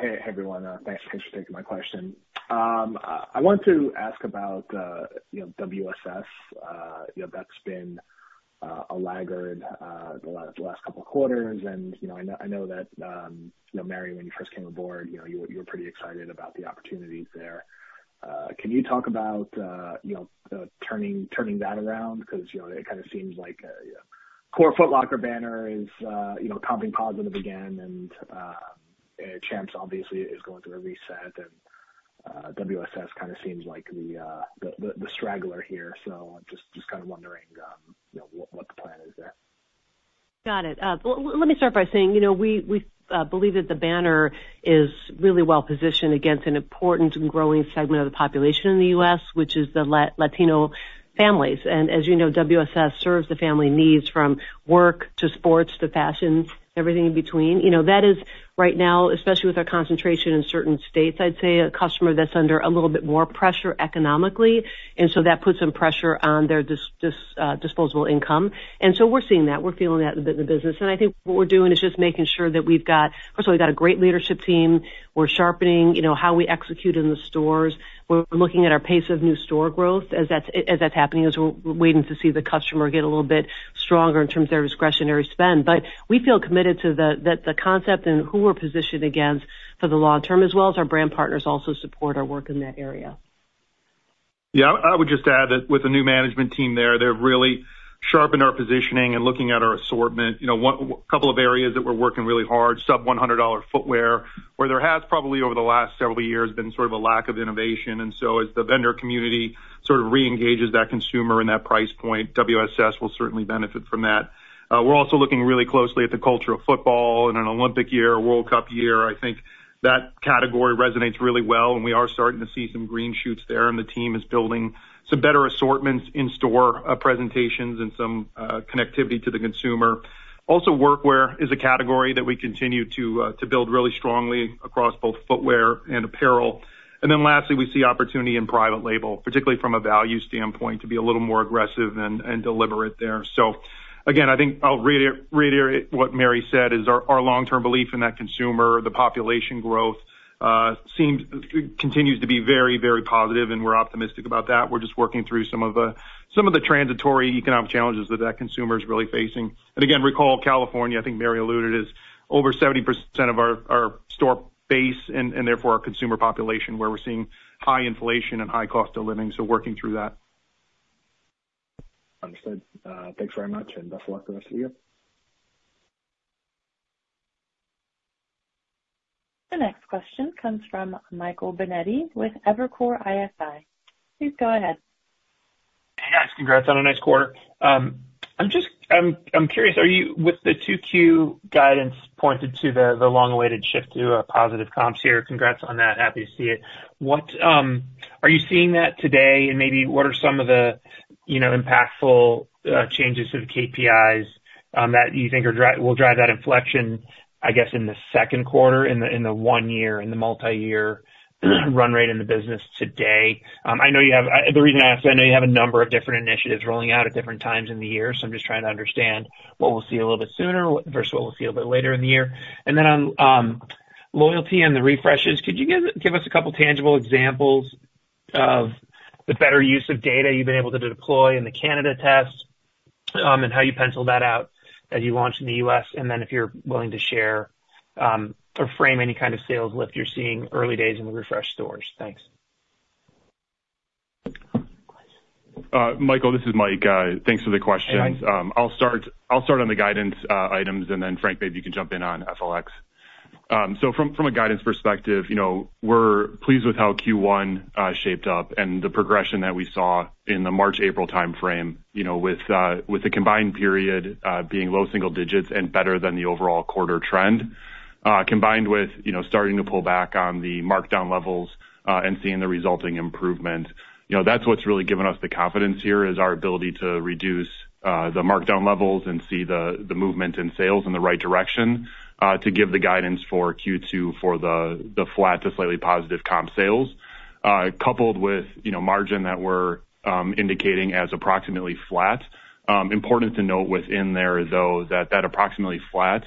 Hey, everyone, thanks for taking my question. I want to ask about, you know, WSS. You know, that's been a laggard the last couple of quarters, and, you know, I know that, you know, Mary, when you first came aboard, you know, you were pretty excited about the opportunities there. Can you talk about, you know, turning that around? Because, you know, it kind of seems like core Foot Locker banner is, you know, comping positive again, and Champs obviously is going through a reset, and WSS kind of seems like the straggler here. So just kind of wondering, you know, what the plan is there. Got it. Let me start by saying, you know, we believe that the banner is really well positioned against an important and growing segment of the population in the U.S., which is the Latino families. And as you know, WSS serves the family needs from work to sports to fashion, everything in between. You know, that is right now, especially with our concentration in certain states, I'd say, a customer that's under a little bit more pressure economically, and so that puts some pressure on their disposable income. And so we're seeing that, we're feeling that in the business. And I think what we're doing is just making sure that we've got... First of all, we've got a great leadership team. We're sharpening, you know, how we execute in the stores. We're looking at our pace of new store growth as that's happening, as we're waiting to see the customer get a little bit stronger in terms of their discretionary spend. But we feel committed to the concept and who we're positioned against for the long term, as well as our brand partners also support our work in that area. Yeah, I would just add that with the new management team there, they've really sharpened our positioning and looking at our assortment. You know, a couple of areas that we're working really hard, sub-$100 footwear, where there has probably, over the last several years, been sort of a lack of innovation. And so as the vendor community sort of reengages that consumer and that price point, WSS will certainly benefit from that. We're also looking really closely at the culture of football in an Olympic year, World Cup year. I think that category resonates really well, and we are starting to see some green shoots there, and the team is building some better assortments, in-store presentations and some connectivity to the consumer. Also, workwear is a category that we continue to build really strongly across both footwear and apparel. Then lastly, we see opportunity in private label, particularly from a value standpoint, to be a little more aggressive and deliberate there. So again, I think I'll reiterate what Mary said, is our long-term belief in that consumer, the population growth seems to continue to be very, very positive, and we're optimistic about that. We're just working through some of the transitory economic challenges that that consumer is really facing. Again, recall, California, I think Mary alluded, is over 70% of our store base and therefore, our consumer population, where we're seeing high inflation and high cost of living, so working through that. Understood. Thanks very much, and best of luck the rest of the year. The next question comes from Michael Binetti with Evercore ISI. Please go ahead. Hey, guys, congrats on a nice quarter. I'm just curious, with the 2Q guidance pointed to the long-awaited shift to a positive comps here, congrats on that. Happy to see it. What are you seeing that today, and maybe what are some of the, you know, impactful changes to the KPIs that you think will drive that inflection, I guess, in the second quarter, in the 1-year, in the multiyear run rate in the business today? I know you have... the reason I ask that, I know you have a number of different initiatives rolling out at different times in the year, so I'm just trying to understand what we'll see a little bit sooner versus what we'll see a bit later in the year. And then on loyalty and the refreshes, could you give us a couple tangible examples of the better use of data you've been able to deploy in the Canada test, and how you pencil that out as you launch in the U.S.? And then, if you're willing to share, or frame any kind of sales lift you're seeing early days in the refreshed stores. Thanks. Michael, this is Mike. Thanks for the questions. Hey, Mike. I'll start on the guidance items, and then, Frank, maybe you can jump in on FLX. So from a guidance perspective, you know, we're pleased with how Q1 shaped up and the progression that we saw in the March, April timeframe, you know, with the combined period being low single digits and better than the overall quarter trend, combined with, you know, starting to pull back on the markdown levels and seeing the resulting improvement. You know, that's what's really given us the confidence here, is our ability to reduce the markdown levels and see the movement in sales in the right direction, to give the guidance for Q2 for the flat to slightly positive comp sales, coupled with, you know, margin that we're indicating as approximately flat. Important to note within there, though, that that approximately flat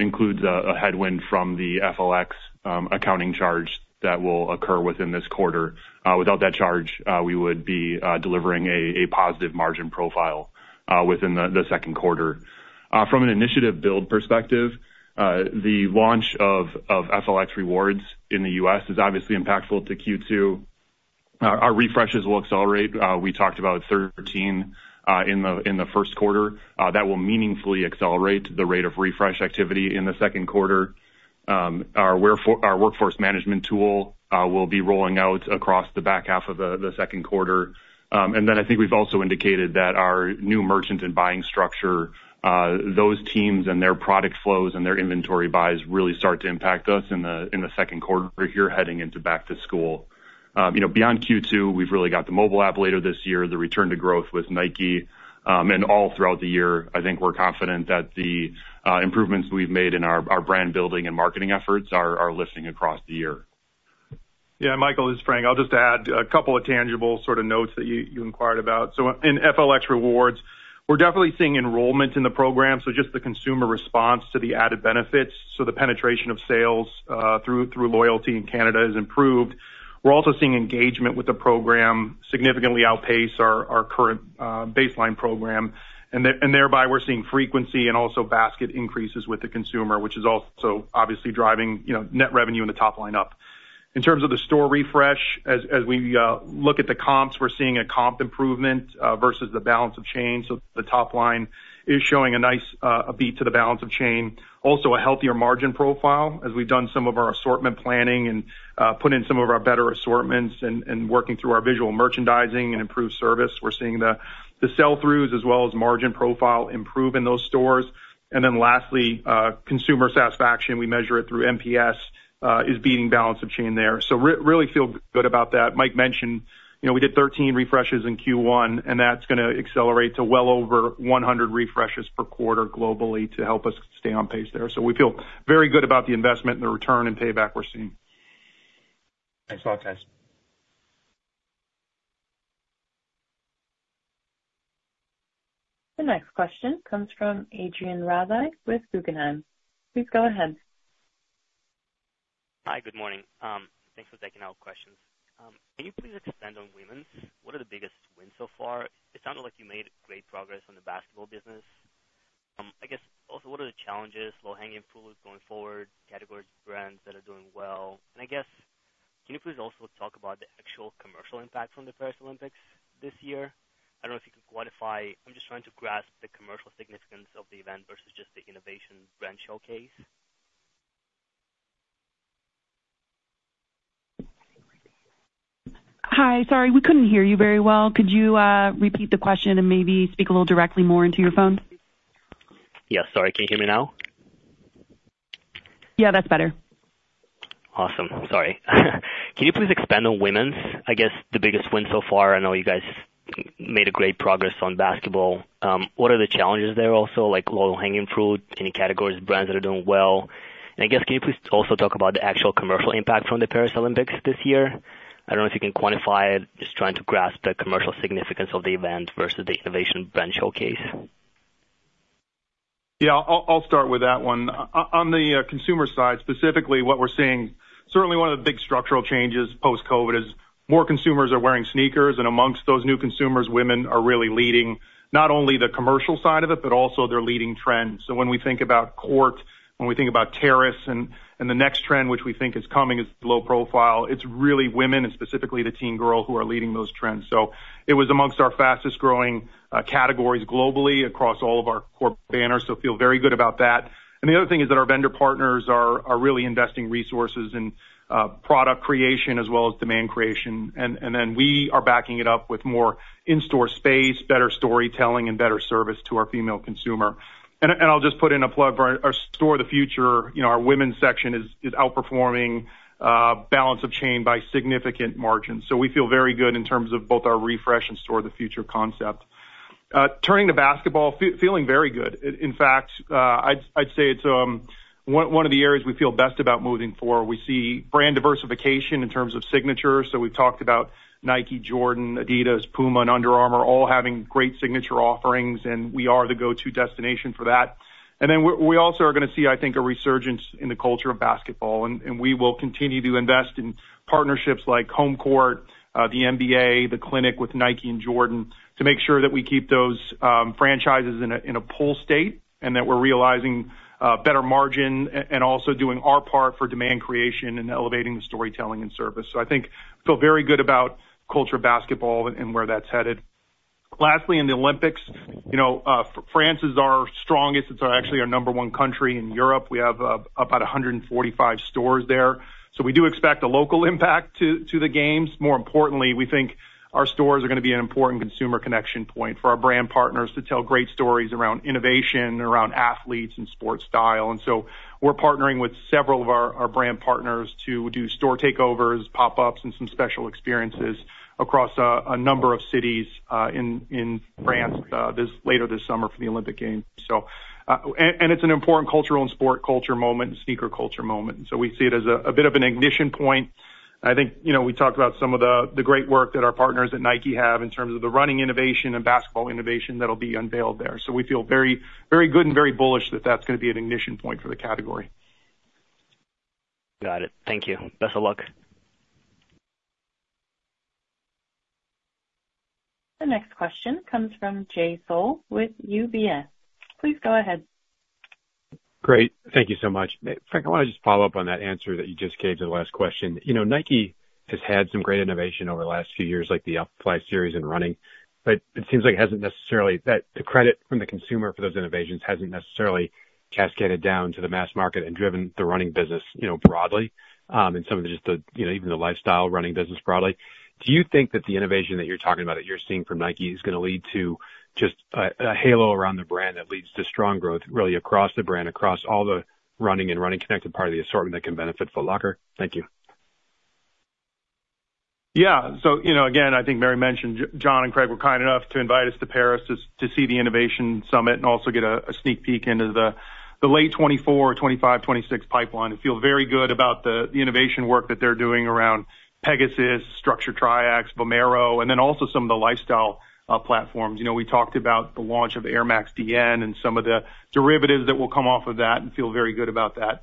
includes a headwind from the FLX accounting charge that will occur within this quarter. Without that charge, we would be delivering a positive margin profile within the second quarter. From an initiative build perspective, the launch of FLX Rewards in the US is obviously impactful to Q2. ...Our refreshes will accelerate. We talked about 13 in the first quarter. That will meaningfully accelerate the rate of refresh activity in the second quarter. Our workforce management tool will be rolling out across the back half of the second quarter. And then I think we've also indicated that our new merchant and buying structure, those teams and their product flows and their inventory buys really start to impact us in the second quarter here, heading into back to school. You know, beyond Q2, we've really got the mobile app later this year, the return to growth with Nike. And all throughout the year, I think we're confident that the improvements we've made in our brand building and marketing efforts are lifting across the year. Yeah, Michael, this is Frank. I'll just add a couple of tangible sort of notes that you inquired about. So in FLX Rewards, we're definitely seeing enrollment in the program, so just the consumer response to the added benefits. So the penetration of sales through loyalty in Canada has improved. We're also seeing engagement with the program significantly outpace our current baseline program. And thereby, we're seeing frequency and also basket increases with the consumer, which is also obviously driving, you know, net revenue and the top line up. In terms of the store refresh, as we look at the comps, we're seeing a comp improvement versus the balance of chain. So the top line is showing a nice beat to the balance of chain. Also, a healthier margin profile as we've done some of our assortment planning and put in some of our better assortments and working through our visual merchandising and improved service. We're seeing the sell-throughs as well as margin profile improve in those stores. And then lastly, consumer satisfaction, we measure it through NPS, is beating balance of chain there. So really feel good about that. Mike mentioned, you know, we did 13 refreshes in Q1, and that's gonna accelerate to well over 100 refreshes per quarter globally to help us stay on pace there. So we feel very good about the investment and the return and payback we're seeing. Thanks a lot, guys. The next question comes from Adrian Radai with Guggenheim. Please go ahead. Hi, good morning. Thanks for taking our questions. Can you please expand on women's? What are the biggest wins so far? It sounded like you made great progress on the basketball business. I guess also, what are the challenges, low-hanging fruit going forward, categories, brands that are doing well? And I guess, can you please also talk about the actual commercial impact from the Paris Olympics this year? I don't know if you can quantify. I'm just trying to grasp the commercial significance of the event versus just the innovation brand showcase. Hi, sorry, we couldn't hear you very well. Could you repeat the question and maybe speak a little directly more into your phone? Yeah, sorry. Can you hear me now? Yeah, that's better. Awesome. Sorry. Can you please expand on women's? I guess the biggest win so far. I know you guys made a great progress on basketball. What are the challenges there also, like low-hanging fruit, any categories, brands that are doing well? And I guess, can you please also talk about the actual commercial impact from the Paris Olympics this year? I don't know if you can quantify it. Just trying to grasp the commercial significance of the event versus the innovation brand showcase. Yeah, I'll start with that one. On the consumer side, specifically, what we're seeing, certainly one of the big structural changes post-COVID is more consumers are wearing sneakers, and amongst those new consumers, women are really leading not only the commercial side of it, but also they're leading trends. So when we think about court, when we think about terrace, and the next trend, which we think is coming, is low profile, it's really women and specifically the teen girl, who are leading those trends. So it was amongst our fastest growing categories globally across all of our core banners, so feel very good about that. And the other thing is that our vendor partners are really investing resources in product creation as well as demand creation. Then we are backing it up with more in-store space, better storytelling, and better service to our female consumer. And I'll just put in a plug for our Store of the Future, you know, our women's section is outperforming the balance of the chain by significant margins. So we feel very good in terms of both our refresh and Store of the Future concept. Turning to basketball, feeling very good. In fact, I'd say it's one of the areas we feel best about moving forward. We see brand diversification in terms of signature, so we've talked about Nike, Jordan, adidas, PUMA, and Under Armour, all having great signature offerings, and we are the go-to destination for that. And then we also are gonna see, I think, a resurgence in the culture of basketball, and we will continue to invest in partnerships like Home Court, the NBA, The Clinic with Nike and Jordan, to make sure that we keep those franchises in a pull state, and that we're realizing better margin and also doing our part for demand creation and elevating the storytelling and service. So I think feel very good about culture of basketball and where that's headed. Lastly, in the Olympics, you know, France is our strongest. It's actually our number one country in Europe. We have about 145 stores there, so we do expect a local impact to the games. More importantly, we think our stores are gonna be an important consumer connection point for our brand partners to tell great stories around innovation, around athletes, and sports style. And so we're partnering with several of our brand partners to do store takeovers, pop-ups, and some special experiences across a number of cities in France later this summer for the Olympic Games. So it's an important cultural and sport culture moment and sneaker culture moment, and so we see it as a bit of an ignition point. I think, you know, we talked about some of the great work that our partners at Nike have in terms of the running innovation and basketball innovation that'll be unveiled there. So we feel very, very good and very bullish that that's gonna be an ignition point for the category. Got it. Thank you. Best of luck. The next question comes from Jay Sole with UBS. Please go ahead. Great. Thank you so much. Frank, I want to just follow up on that answer that you just gave to the last question. You know, Nike has had some great innovation over the last few years, like the Alphafly series and running, but it seems like it hasn't necessarily... That the credit from the consumer for those innovations hasn't necessarily cascaded down to the mass market and driven the running business, you know, broadly, and some of just the, you know, even the lifestyle running business broadly. Do you think that the innovation that you're talking about, that you're seeing from Nike, is going to lead to just a, a halo around the brand that leads to strong growth, really across the brand, across all the running and running connected part of the assortment that can benefit Foot Locker? Thank you. Yeah. So, you know, again, I think Mary mentioned John and Craig were kind enough to invite us to Paris to see the innovation summit and also get a sneak peek into the late 2024, 2025, 2026 pipeline, and feel very good about the innovation work that they're doing around Pegasus, Structure Triax, Vomero, and then also some of the lifestyle platforms. You know, we talked about the launch of Air Max DN and some of the derivatives that will come off of that and feel very good about that.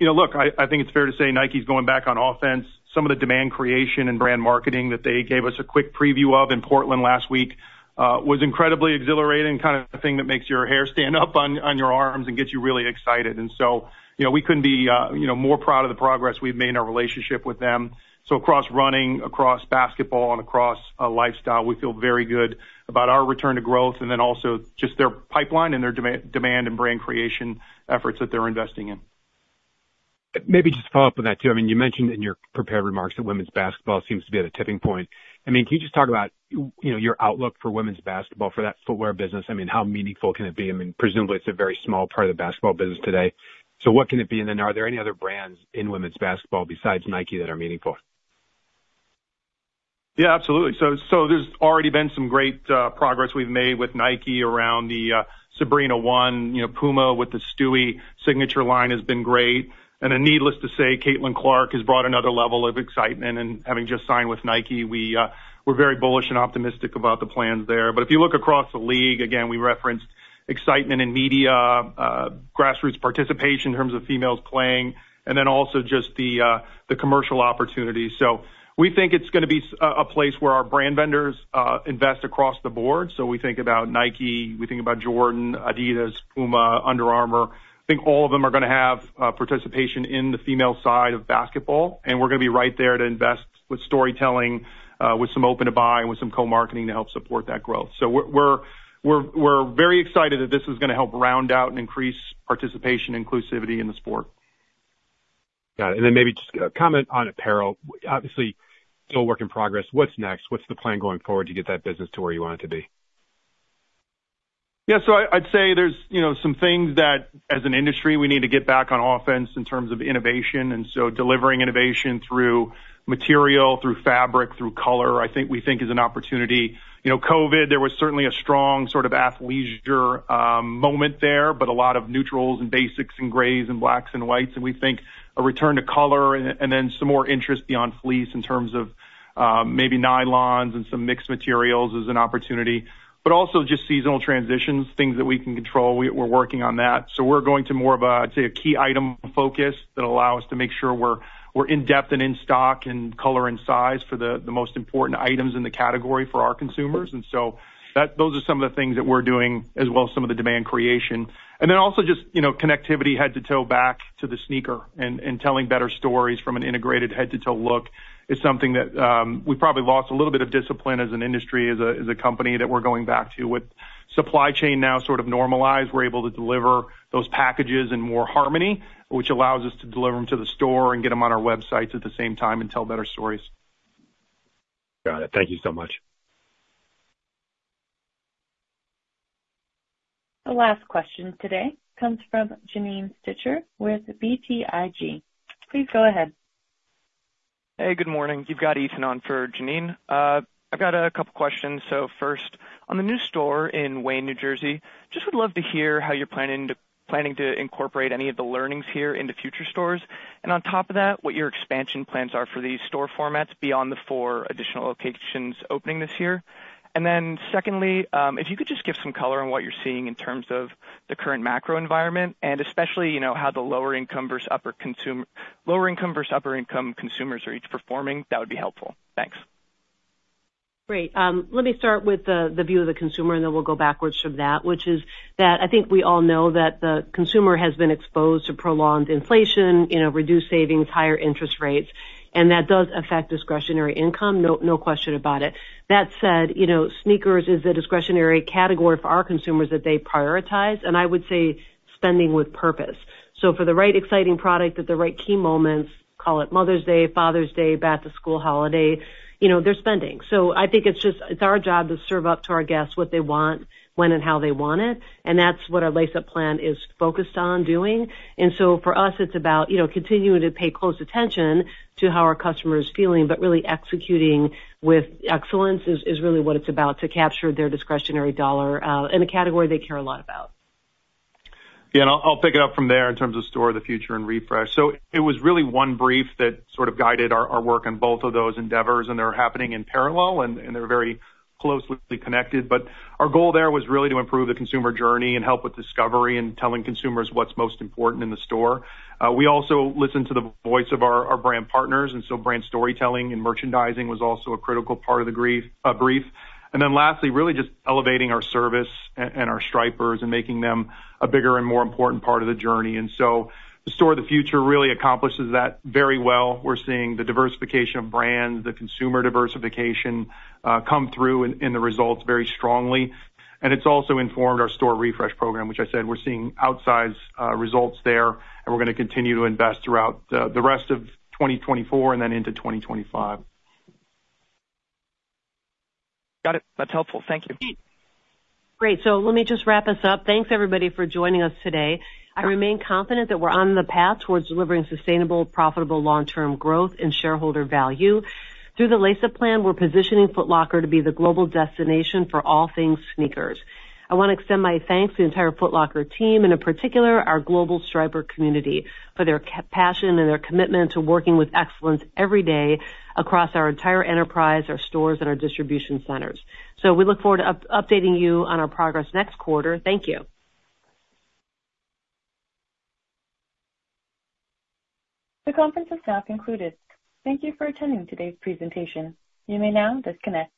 You know, look, I think it's fair to say Nike's going back on offense. Some of the demand creation and brand marketing that they gave us a quick preview of in Portland last week was incredibly exhilarating, kind of the thing that makes your hair stand up on your arms and gets you really excited. So, you know, we couldn't be, you know, more proud of the progress we've made in our relationship with them. So across running, across basketball, and across lifestyle, we feel very good about our return to growth and then also just their pipeline and their demand and brand creation efforts that they're investing in. Maybe just to follow up on that, too. I mean, you mentioned in your prepared remarks that women's basketball seems to be at a tipping point. I mean, can you just talk about, you know, your outlook for women's basketball, for that footwear business? I mean, how meaningful can it be? I mean, presumably, it's a very small part of the basketball business today. So what can it be? And then are there any other brands in women's basketball besides Nike that are meaningful? Yeah, absolutely. So there's already been some great progress we've made with Nike around the Sabrina 1, you know, PUMA with the Stewie signature line has been great. And then, needless to say, Caitlin Clark has brought another level of excitement, and having just signed with Nike, we, we're very bullish and optimistic about the plans there. But if you look across the league, again, we referenced excitement in media, grassroots participation in terms of females playing, and then also just the commercial opportunities. So we think it's gonna be a place where our brand vendors invest across the board. So we think about Nike, we think about Jordan, adidas, PUMA, Under Armour. I think all of them are gonna have participation in the female side of basketball, and we're gonna be right there to invest with storytelling, with some open-to-buy and with some co-marketing to help support that growth. So we're very excited that this is gonna help round out and increase participation, inclusivity in the sport. Got it. And then maybe just a comment on apparel. Obviously, still a work in progress. What's next? What's the plan going forward to get that business to where you want it to be? Yeah, so I'd say there's, you know, some things that, as an industry, we need to get back on offense in terms of innovation, and so delivering innovation through material, through fabric, through color, I think. We think is an opportunity. You know, COVID, there was certainly a strong sort of athleisure moment there, but a lot of neutrals and basics and grays and blacks and whites, and we think a return to color and, and then some more interest beyond fleece in terms of, maybe nylons and some mixed materials is an opportunity, but also just seasonal transitions, things that we can control. We're working on that. So we're going to more of a, I'd say, a key item focus that allows us to make sure we're in-depth and in stock and color and size for the most important items in the category for our consumers. Those are some of the things that we're doing, as well as some of the demand creation. And then also just, you know, connectivity head to toe back to the sneaker and telling better stories from an integrated head-to-toe look is something that we probably lost a little bit of discipline as an industry, as a company, that we're going back to. With supply chain now sort of normalized, we're able to deliver those packages in more harmony, which allows us to deliver them to the store and get them on our websites at the same time and tell better stories. Got it. Thank you so much. The last question today comes from Janine Stichter with BTIG. Please go ahead. Hey, good morning. You've got Ethan on for Janine. I've got a couple questions. First, on the new store in Wayne, New Jersey, just would love to hear how you're planning to incorporate any of the learnings here into future stores. On top of that, what your expansion plans are for these store formats beyond the 4 additional locations opening this year. Then secondly, if you could just give some color on what you're seeing in terms of the current macro environment, and especially, you know, how the lower income versus upper income consumers are each performing, that would be helpful. Thanks. Great. Let me start with the view of the consumer, and then we'll go backwards from that, which is that I think we all know that the consumer has been exposed to prolonged inflation, you know, reduced savings, higher interest rates, and that does affect discretionary income. No question about it. That said, you know, sneakers is a discretionary category for our consumers that they prioritize, and I would say spending with purpose. So for the right exciting product at the right key moments, call it Mother's Day, Father's Day, back to school, holiday, you know, they're spending. So I think it's just it's our job to serve up to our guests what they want, when and how they want it, and that's what our Lace Up Plan is focused on doing. And so for us, it's about, you know, continuing to pay close attention to how our customer is feeling, but really executing with excellence is really what it's about, to capture their discretionary dollar in a category they care a lot about. Yeah, and I'll pick it up from there in terms of Store of the Future and Refresh. So it was really one brief that sort of guided our work on both of those endeavors, and they're happening in parallel, and they're very closely connected. But our goal there was really to improve the consumer journey and help with discovery and telling consumers what's most important in the store. We also listened to the voice of our brand partners, and so brand storytelling and merchandising was also a critical part of the brief. And then lastly, really just elevating our service and our Stripers and making them a bigger and more important part of the journey. And so the Store of the Future really accomplishes that very well. We're seeing the diversification of brands, the consumer diversification, come through in the results very strongly. It's also informed our store refresh program, which I said we're seeing outsized results there, and we're gonna continue to invest throughout the rest of 2024 and then into 2025. Got it. That's helpful. Thank you. Great. So let me just wrap us up. Thanks, everybody, for joining us today. I remain confident that we're on the path towards delivering sustainable, profitable long-term growth and shareholder value. Through the Lace Up Plan, we're positioning Foot Locker to be the global destination for all things sneakers. I want to extend my thanks to the entire Foot Locker team, and in particular, our global Striper community, for their passion and their commitment to working with excellence every day across our entire enterprise, our stores, and our distribution centers. So we look forward to updating you on our progress next quarter. Thank you. The conference is now concluded. Thank you for attending today's presentation. You may now disconnect.